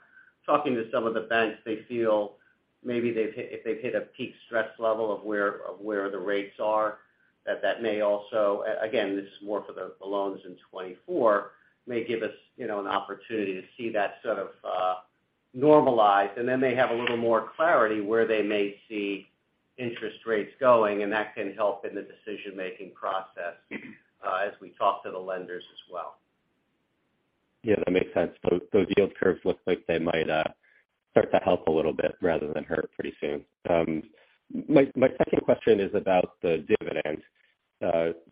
Talking to some of the banks, they feel maybe if they've hit a peak stress level of where the rates are, that may also, again, this is more for the loans in 2024, may give us, you know, an opportunity to see that sort of normalize. Then they have a little more clarity where they may see interest rates going, and that can help in the decision-making process as we talk to the lenders as well. Yeah, that makes sense. Those yield curves look like they might start to help a little bit rather than hurt pretty soon. My second question is about the dividend.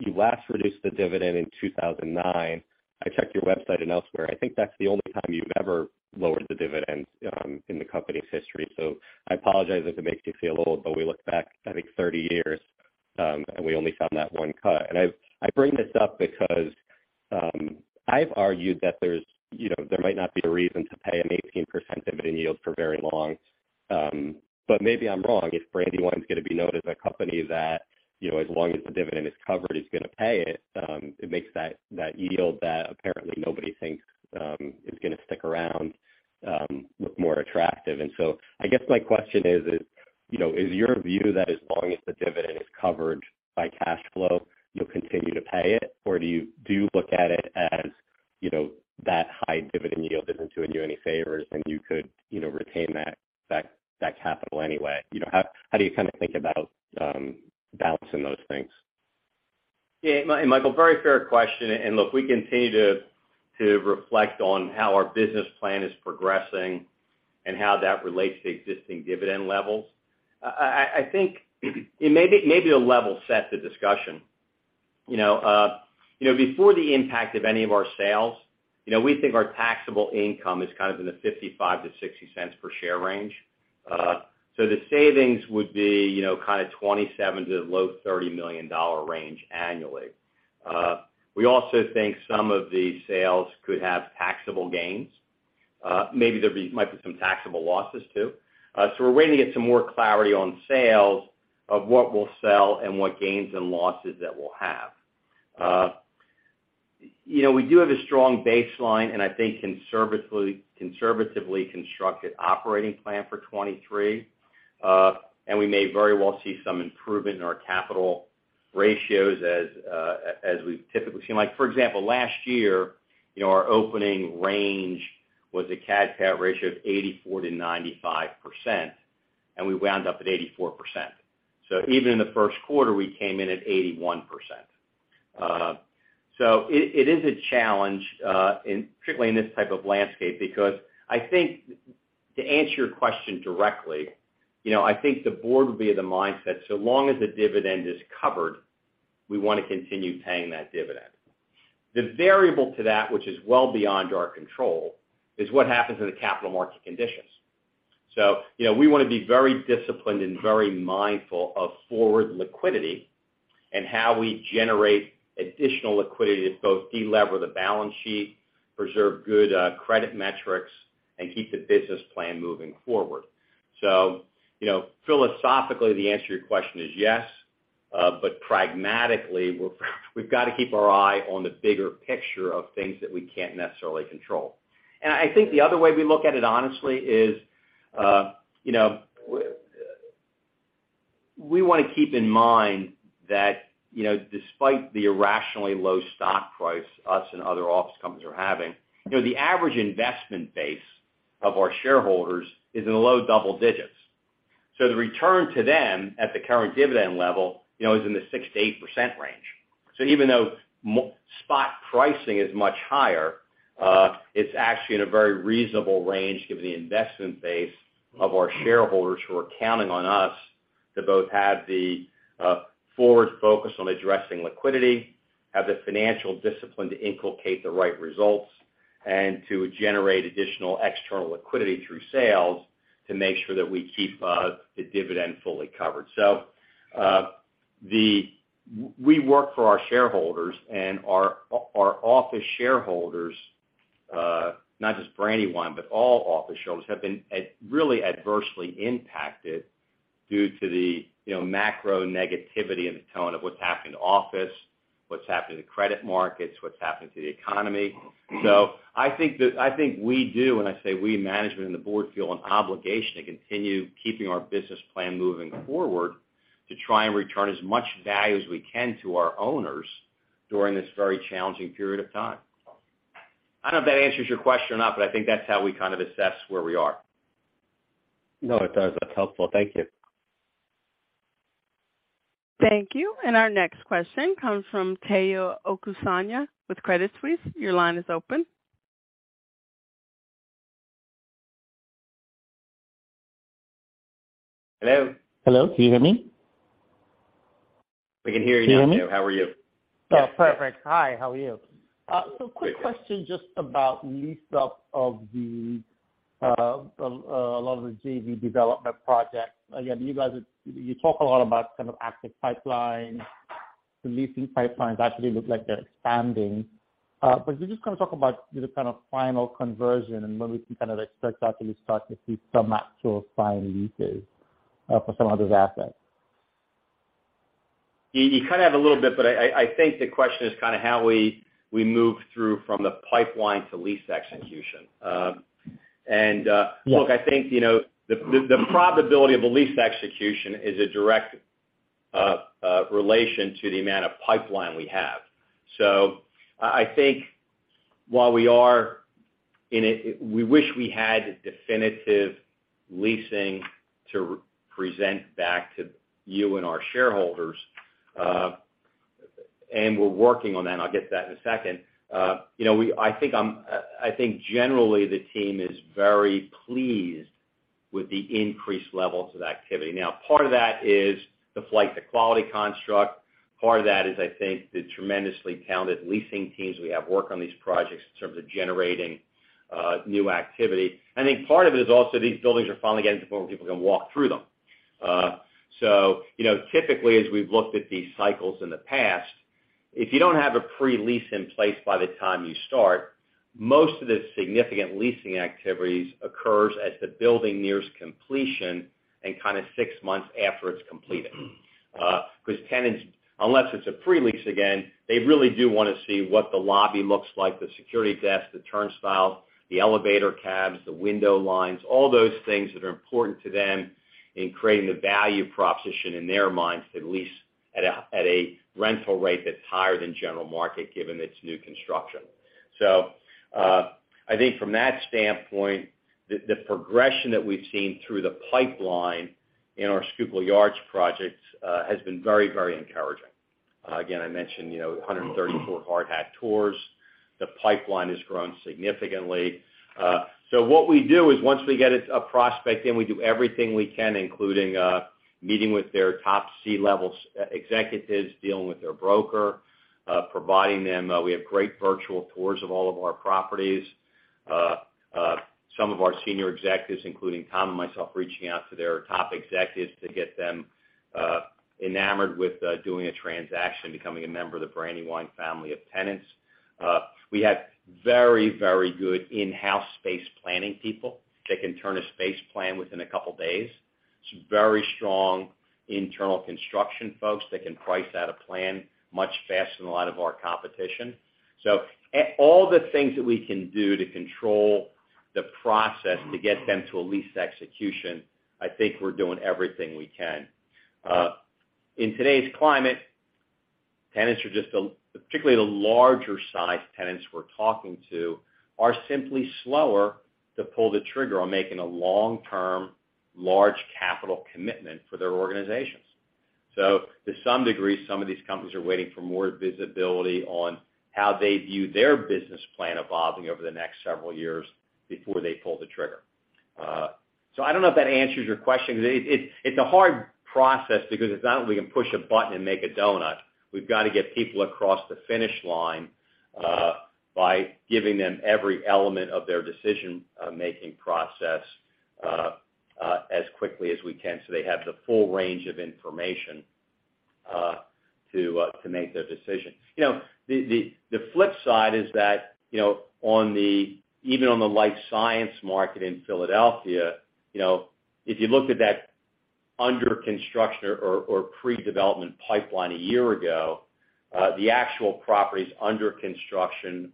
You last reduced the dividend in 2009. I checked your website and elsewhere. I think that's the only time you've ever lowered the dividend in the company's history. I apologize if it makes you feel old, but we looked back, I think, 30 years, and we only found that one cut. I bring this up because I've argued that there's, you know, there might not be a reason to pay an 18% dividend yield for very long. Maybe I'm wrong. If Brandywine's gonna be known as a company that, you know, as long as the dividend is covered, is gonna pay it makes that yield that apparently nobody thinks is gonna stick around, look more attractive. I guess my question is, you know, is your view that as long as the dividend is covered by cash flow, you'll continue to pay it, or do you look at it as, you know, that high dividend yield isn't doing you any favors, and you could, you know, retain that capital anyway? You know, how do you kinda think about balancing those things? Yeah. Michael, very fair question. Look, we continue to reflect on how our business plan is progressing and how that relates to existing dividend levels. I think, and maybe I'll level set the discussion. You know, before the impact of any of our sales, you know, we think our taxable income is kind of in the $0.55-$0.60 per share range. So the savings would be, you know, kind of $27 million to low $30 million range annually. We also think some of the sales could have taxable gains. Maybe might be some taxable losses, too. We're waiting to get some more clarity on sales of what we'll sell and what gains and losses that we'll have. you know, we do have a strong baseline, and I think conservatively constructed operating plan for 2023. And we may very well see some improvement in our capital ratios as we've typically seen. Like for example, last year, you know, our opening range was a CAD average of 84%-95%, and we wound up at 84%. Even in the first quarter, we came in at 81%. It is a challenge, particularly in this type of landscape because I think, to answer your question directly, you know, I think the board will be of the mindset, so long as the dividend is covered, we wanna continue paying that dividend. The variable to that, which is well beyond our control, is what happens in the capital market conditions. You know, we wanna be very disciplined and very mindful of forward liquidity and how we generate additional liquidity to both delever the balance sheet, preserve good credit metrics, and keep the business plan moving forward. You know, philosophically, the answer to your question is yes. Pragmatically, we've got to keep our eye on the bigger picture of things that we can't necessarily control. I think the other way we look at it honestly is, you know, we wanna keep in mind that, you know, despite the irrationally low stock price us and other office companies are having, you know, the average investment base of our shareholders is in the low double digits. The return to them at the current dividend level, you know, is in the 6%-8% range. Even though spot pricing is much higher, it's actually in a very reasonable range given the investment base of our shareholders who are counting on us to both have the forward focus on addressing liquidity, have the financial discipline to inculcate the right results, and to generate additional external liquidity through sales to make sure that we keep the dividend fully covered. We work for our shareholders and our office shareholders, not just Brandywine, but all office shareholders, have been really adversely impacted due to the, you know, macro negativity and the tone of what's happening to office, what's happening to the credit markets, what's happening to the economy. I think we do, when I say we, management and the board, feel an obligation to continue keeping our business plan moving forward to try and return as much value as we can to our owners during this very challenging period of time. I don't know if that answers your question or not, but I think that's how we kind of assess where we are. No, it does. That's helpful. Thank you. Thank you. Our next question comes from Tayo Okusanya with Credit Suisse. Your line is open. Hello? Hello. Can you hear me? We can hear you, Tayo. Can you hear me? How are you? Oh, perfect. Hi. How are you? Quick question just about lease up of the a lot of the JV development projects. Again, you talk a lot about kind of active pipeline. The leasing pipelines actually look like they're expanding. Can you just kind of talk about the kind of final conversion and when we can kind of expect to actually start to see some actual signed leases for some of those assets? You kind of have a little bit, but I think the question is kind of how we move through from the pipeline to lease execution. Yeah. Look, I think, you know, the probability of a lease execution is a direct relation to the amount of pipeline we have. I think while we are in it, we wish we had definitive leasing to present back to you and our shareholders, and we're working on that, and I'll get to that in a second. you know, I think generally the team is very pleased with the increased levels of activity. Part of that is the flight to quality construct. Part of that is, I think, the tremendously talented leasing teams we have working on these projects in terms of generating new activity. I think part of it is also these buildings are finally getting to the point where people can walk through them. You know, typically, as we've looked at these cycles in the past, if you don't have a pre-lease in place by the time you start, most of the significant leasing activities occurs as the building nears completion and kind of six months after it's completed. 'Cause tenants, unless it's a pre-lease again, they really do wanna see what the lobby looks like, the security desk, the turnstiles, the elevator cabs, the window lines, all those things that are important to them in creating the value proposition in their minds to lease at a, at a rental rate that's higher than general market, given its new construction. I think from that standpoint, the progression that we've seen through the pipeline in our Schuylkill Yards projects, has been very, very encouraging. Again, I mentioned, you know, 134 hard hat tours. The pipeline has grown significantly. What we do is once we get a prospect in, we do everything we can, including meeting with their top C-level executives, dealing with their broker, providing them, we have great virtual tours of all of our properties. Some of our senior executives, including Tom and myself, reaching out to their top executives to get them enamored with doing a transaction, becoming a member of the Brandywine family of tenants. We have very, very good in-house space planning people that can turn a space plan within two days. Some very strong internal construction folks that can price out a plan much faster than a lot of our competition. All the things that we can do to control the process to get them to a lease execution, I think we're doing everything we can. In today's climate, tenants are just particularly the larger sized tenants we're talking to, are simply slower to pull the trigger on making a long-term, large capital commitment for their organizations. To some degree, some of these companies are waiting for more visibility on how they view their business plan evolving over the next several years before they pull the trigger. I don't know if that answers your question. It's a hard process because it's not like we can push a button and make a donut. We've got to get people across the finish line, by giving them every element of their decision making process as quickly as we can so they have the full range of information to make their decision. You know, the flip side is that, you know, even on the life science market in Philadelphia, you know, if you looked at that under construction or pre-development pipeline a year ago, the actual properties under construction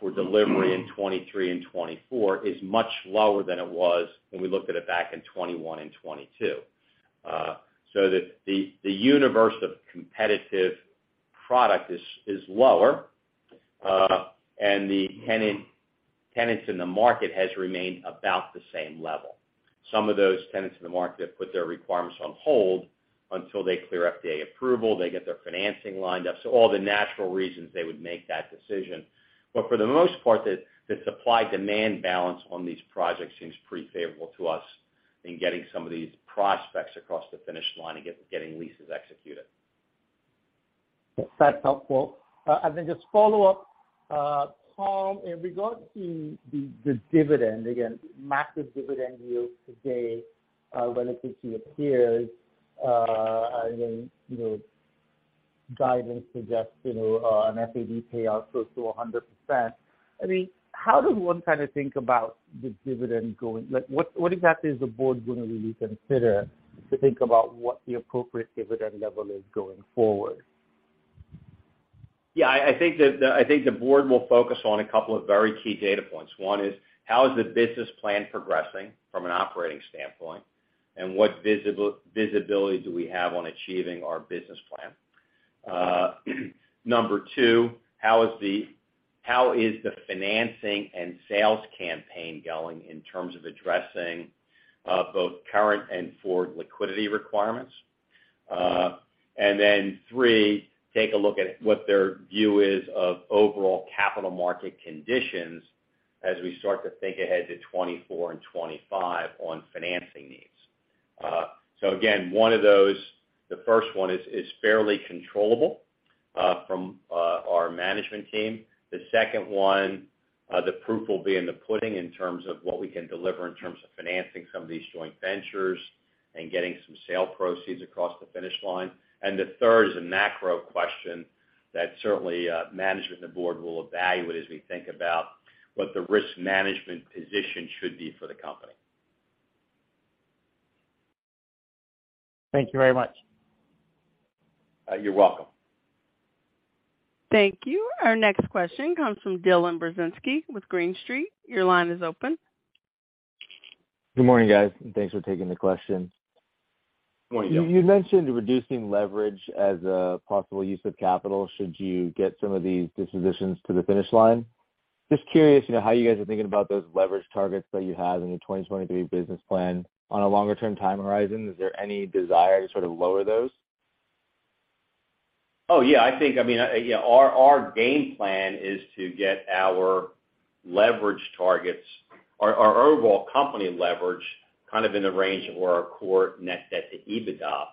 for delivery in 2023 and 2024 is much lower than it was when we looked at it back in 2021 and 2022. The universe of competitive product is lower, and the tenants in the market has remained about the same level. Some of those tenants in the market have put their requirements on hold until they clear FDA approval, they get their financing lined up. All the natural reasons they would make that decision. For the most part, the supply-demand balance on these projects seems pretty favorable to us in getting some of these prospects across the finish line and getting leases executed. That's helpful. Just follow up, Tom, in regards to the dividend, again, massive dividend yield today, relative to your peers, and then, you know, guidance suggests, you know, an FAD payout close to 100%. I mean, how does one kind of think about the dividend going? Like, what exactly is the board going to really consider to think about what the appropriate dividend level is going forward? Yeah, I think the board will focus on a couple of very key data points. One is, how is the business plan progressing from an operating standpoint, and what visibility do we have on achieving our business plan? Number two, how is the financing and sales campaign going in terms of addressing both current and forward liquidity requirements? 3, take a look at what their view is of overall capital market conditions as we start to think ahead to 2024 and 2025 on financing needs. Again, one of those, the first one is fairly controllable from our management team. The second one, the proof will be in the pudding in terms of what we can deliver in terms of financing some of these joint ventures and getting some sale proceeds across the finish line. The third is a macro question that certainly, management and the board will evaluate as we think about what the risk management position should be for the company. Thank you very much. You're welcome. Thank you. Our next question comes from Dylan Burzinski with Green Street. Your line is open. Good morning, guys. Thanks for taking the question. Good morning, Dylan. You mentioned reducing leverage as a possible use of capital should you get some of these dispositions to the finish line. Just curious, you know, how you guys are thinking about those leverage targets that you had in the 2023 business plan. On a longer-term time horizon, is there any desire to sort of lower those? Oh, yeah, I think, I mean, yeah, our game plan is to get our leverage targets, our overall company leverage kind of in the range of where our core net debt to EBITDA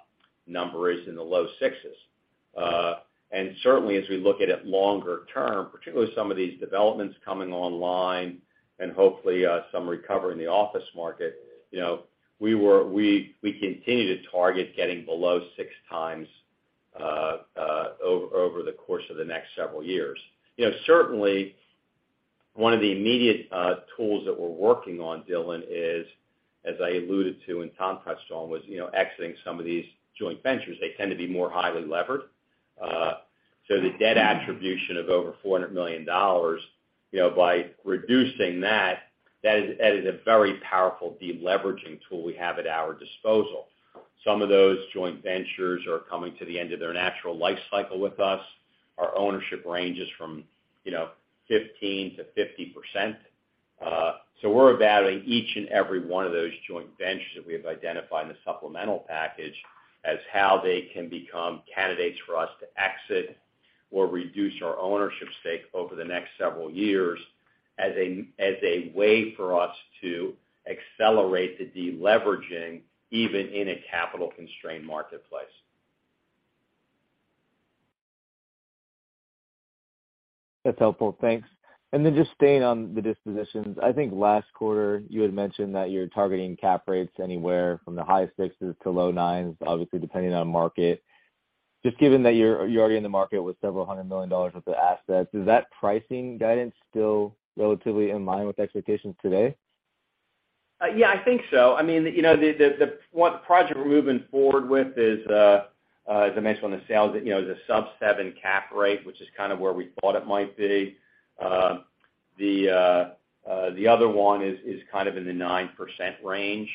number is in the low sixes. Certainly as we look at it longer term, particularly some of these developments coming online and hopefully, some recovery in the office market, you know, we continue to target getting below 6x over the course of the next several years. You know, certainly one of the immediate tools that we're working on, Dylan, is, as I alluded to and Tom touched on, was, you know, exiting some of these joint ventures. They tend to be more highly levered. The debt attribution of over $400 million, you know, by reducing that is a very powerful de-leveraging tool we have at our disposal. Some of those joint ventures are coming to the end of their natural life cycle with us. Our ownership ranges from, you know, 15%-50%. We're evaluating each and every one of those joint ventures that we have identified in the supplemental package as how they can become candidates for us to exit or reduce our ownership stake over the next several years as a, as a way for us to accelerate the de-leveraging even in a capital-constrained marketplace. That's helpful. Thanks. Just staying on the dispositions. I think last quarter you had mentioned that you're targeting cap rates anywhere from the high sixes to low nines, obviously depending on market. Just given that you're already in the market with several $100 million worth of assets, is that pricing guidance still relatively in line with expectations today? Yeah, I think so. I mean, you know, the one project we're moving forward with is, as I mentioned on the sales, you know, is a sub-7% cap rate, which is kind of where we thought it might be. The other one is kind of in the 9% range,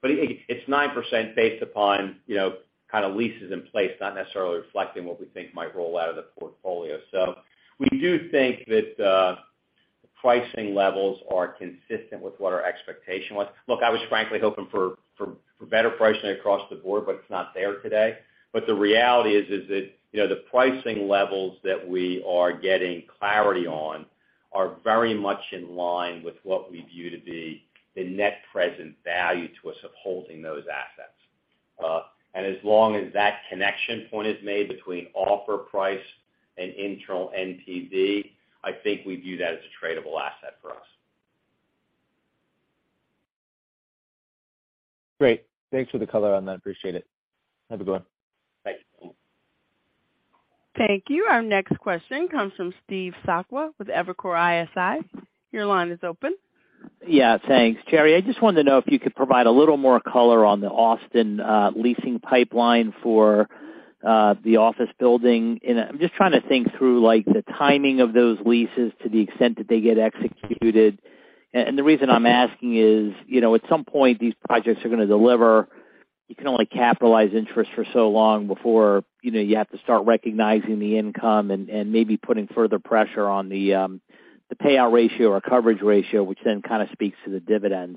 but it's 9% based upon, you know, kind of leases in place, not necessarily reflecting what we think might roll out of the portfolio. We do think that pricing levels are consistent with what our expectation was. Look, I was frankly hoping for better pricing across the board, but it's not there today. The reality is that, you know, the pricing levels that we are getting clarity on are very much in line with what we view to be the net present value to us of holding those assets. And as long as that connection point is made between offer price and internal NPV, I think we view that as a tradable asset for us. Great. Thanks for the color on that. Appreciate it. Have a good one. Thanks. Thank you. Our next question comes from Steve Sakwa with Evercore ISI. Your line is open. Yeah, thanks. Jerry, I just wanted to know if you could provide a little more color on the Austin leasing pipeline for the office building. I'm just trying to think through, like, the timing of those leases to the extent that they get executed. The reason I'm asking is, you know, at some point, these projects are gonna deliver. You can only capitalize interest for so long before, you know, you have to start recognizing the income and maybe putting further pressure on the payout ratio or coverage ratio, which then kind of speaks to the dividend.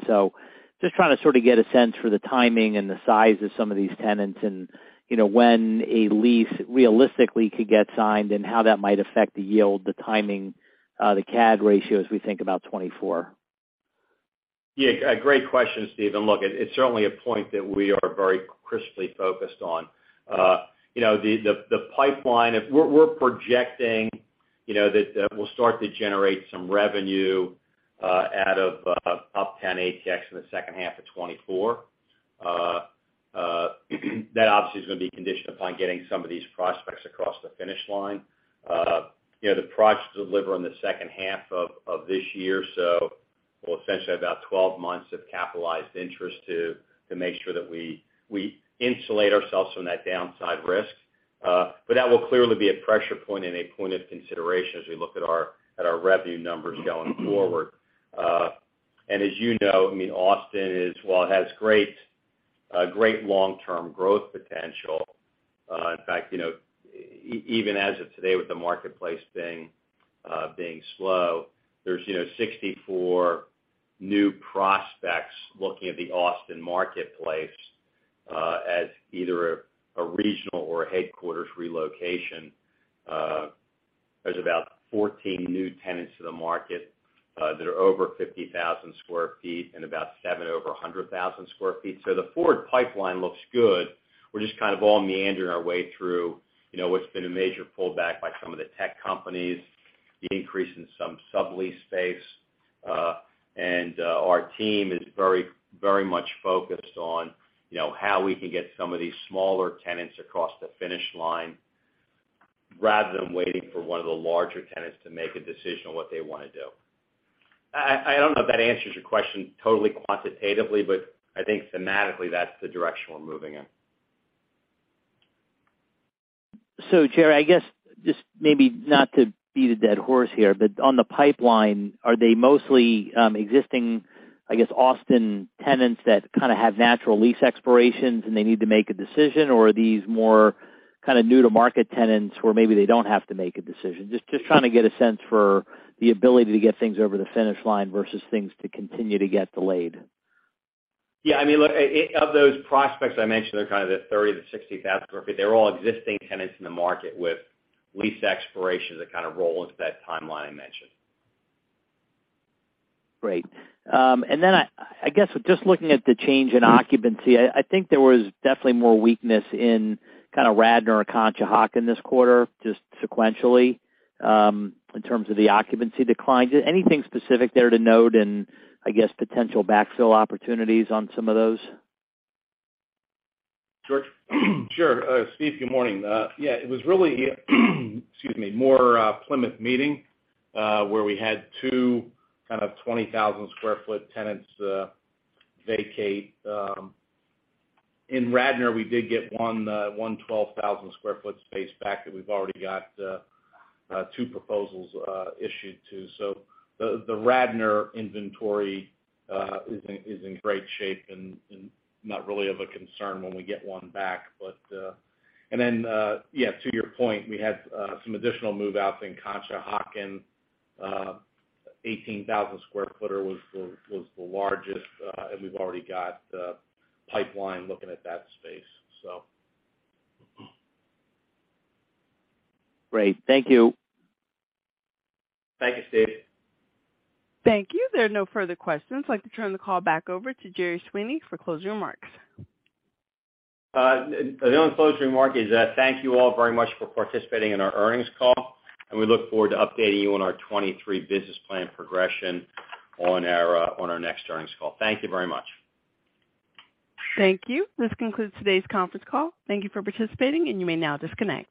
Just trying to sort of get a sense for the timing and the size of some of these tenants and, you know, when a lease realistically could get signed and how that might affect the yield, the timing, the CAD ratio as we think about 2024? Yeah, a great question, Steve. Look, it's certainly a point that we are very crisply focused on. You know, the pipeline, if we're projecting, you know, that we'll start to generate some revenue out of Uptown ATX in the second half of 2024. That obviously is gonna be conditioned upon getting some of these prospects across the finish line. You know, the projects deliver in the second half of this year, so we'll essentially have about 12 months of capitalized interest to make sure that we insulate ourselves from that downside risk. That will clearly be a pressure point and a point of consideration as we look at our revenue numbers going forward. As you know, I mean, Austin is, while it has great long-term growth potential, in fact, you know, even as of today with the marketplace being slow, there's, you know, 64 new prospects looking at the Austin marketplace, as either a regional or a headquarters relocation. There's about 14 new tenants to the market that are over 50,000 sq ft and about seven over 100,000 sq ft. The forward pipeline looks good. We're just kind of all meandering our way through, you know, what's been a major pullback by some of the tech companies, the increase in some sublease space. Our team is very much focused on, you know, how we can get some of these smaller tenants across the finish line rather than waiting for one of the larger tenants to make a decision on what they wanna do. I don't know if that answers your question totally quantitatively, but I think thematically that's the direction we're moving in. Jerry, I guess just maybe not to beat a dead horse here, on the pipeline, are they mostly existing, I guess, Austin tenants that kind of have natural lease expirations and they need to make a decision, or are these more kind of new to market tenants where maybe they don't have to make a decision? Just trying to get a sense for the ability to get things over the finish line versus things to continue to get delayed. I mean, look, of those prospects I mentioned, they're kind of the 30,000-60,000 sq ft. They're all existing tenants in the market with lease expirations that kind of roll into that timeline I mentioned. Great. I guess just looking at the change in occupancy, I think there was definitely more weakness in kind of Radnor or Conshohocken this quarter, just sequentially, in terms of the occupancy declines. Anything specific there to note in, I guess, potential backfill opportunities on some of those? George? Sure. Steve, good morning. Yeah, it was really excuse me, more, Plymouth Meeting, where we had two kind of 20,000 sq ft tenants vacate. In Radnor, we did get one 12,000 sq ft space back that we've already got two proposals issued to. The Radnor inventory is in great shape and not really of a concern when we get one back. Yeah, to your point, we had some additional move-outs in Conshohocken. 18,000 square footer was the largest, and we've already got pipeline looking at that space. Great. Thank you. Thank you, Steve. Thank you. There are no further questions. I'd like to turn the call back over to Jerry Sweeney for closing remarks. The only closing remark is, thank you all very much for participating in our earnings call. We look forward to updating you on our 2023 business plan progression on our on our next earnings call. Thank you very much. Thank you. This concludes today's conference call. Thank you for participating and you may now disconnect.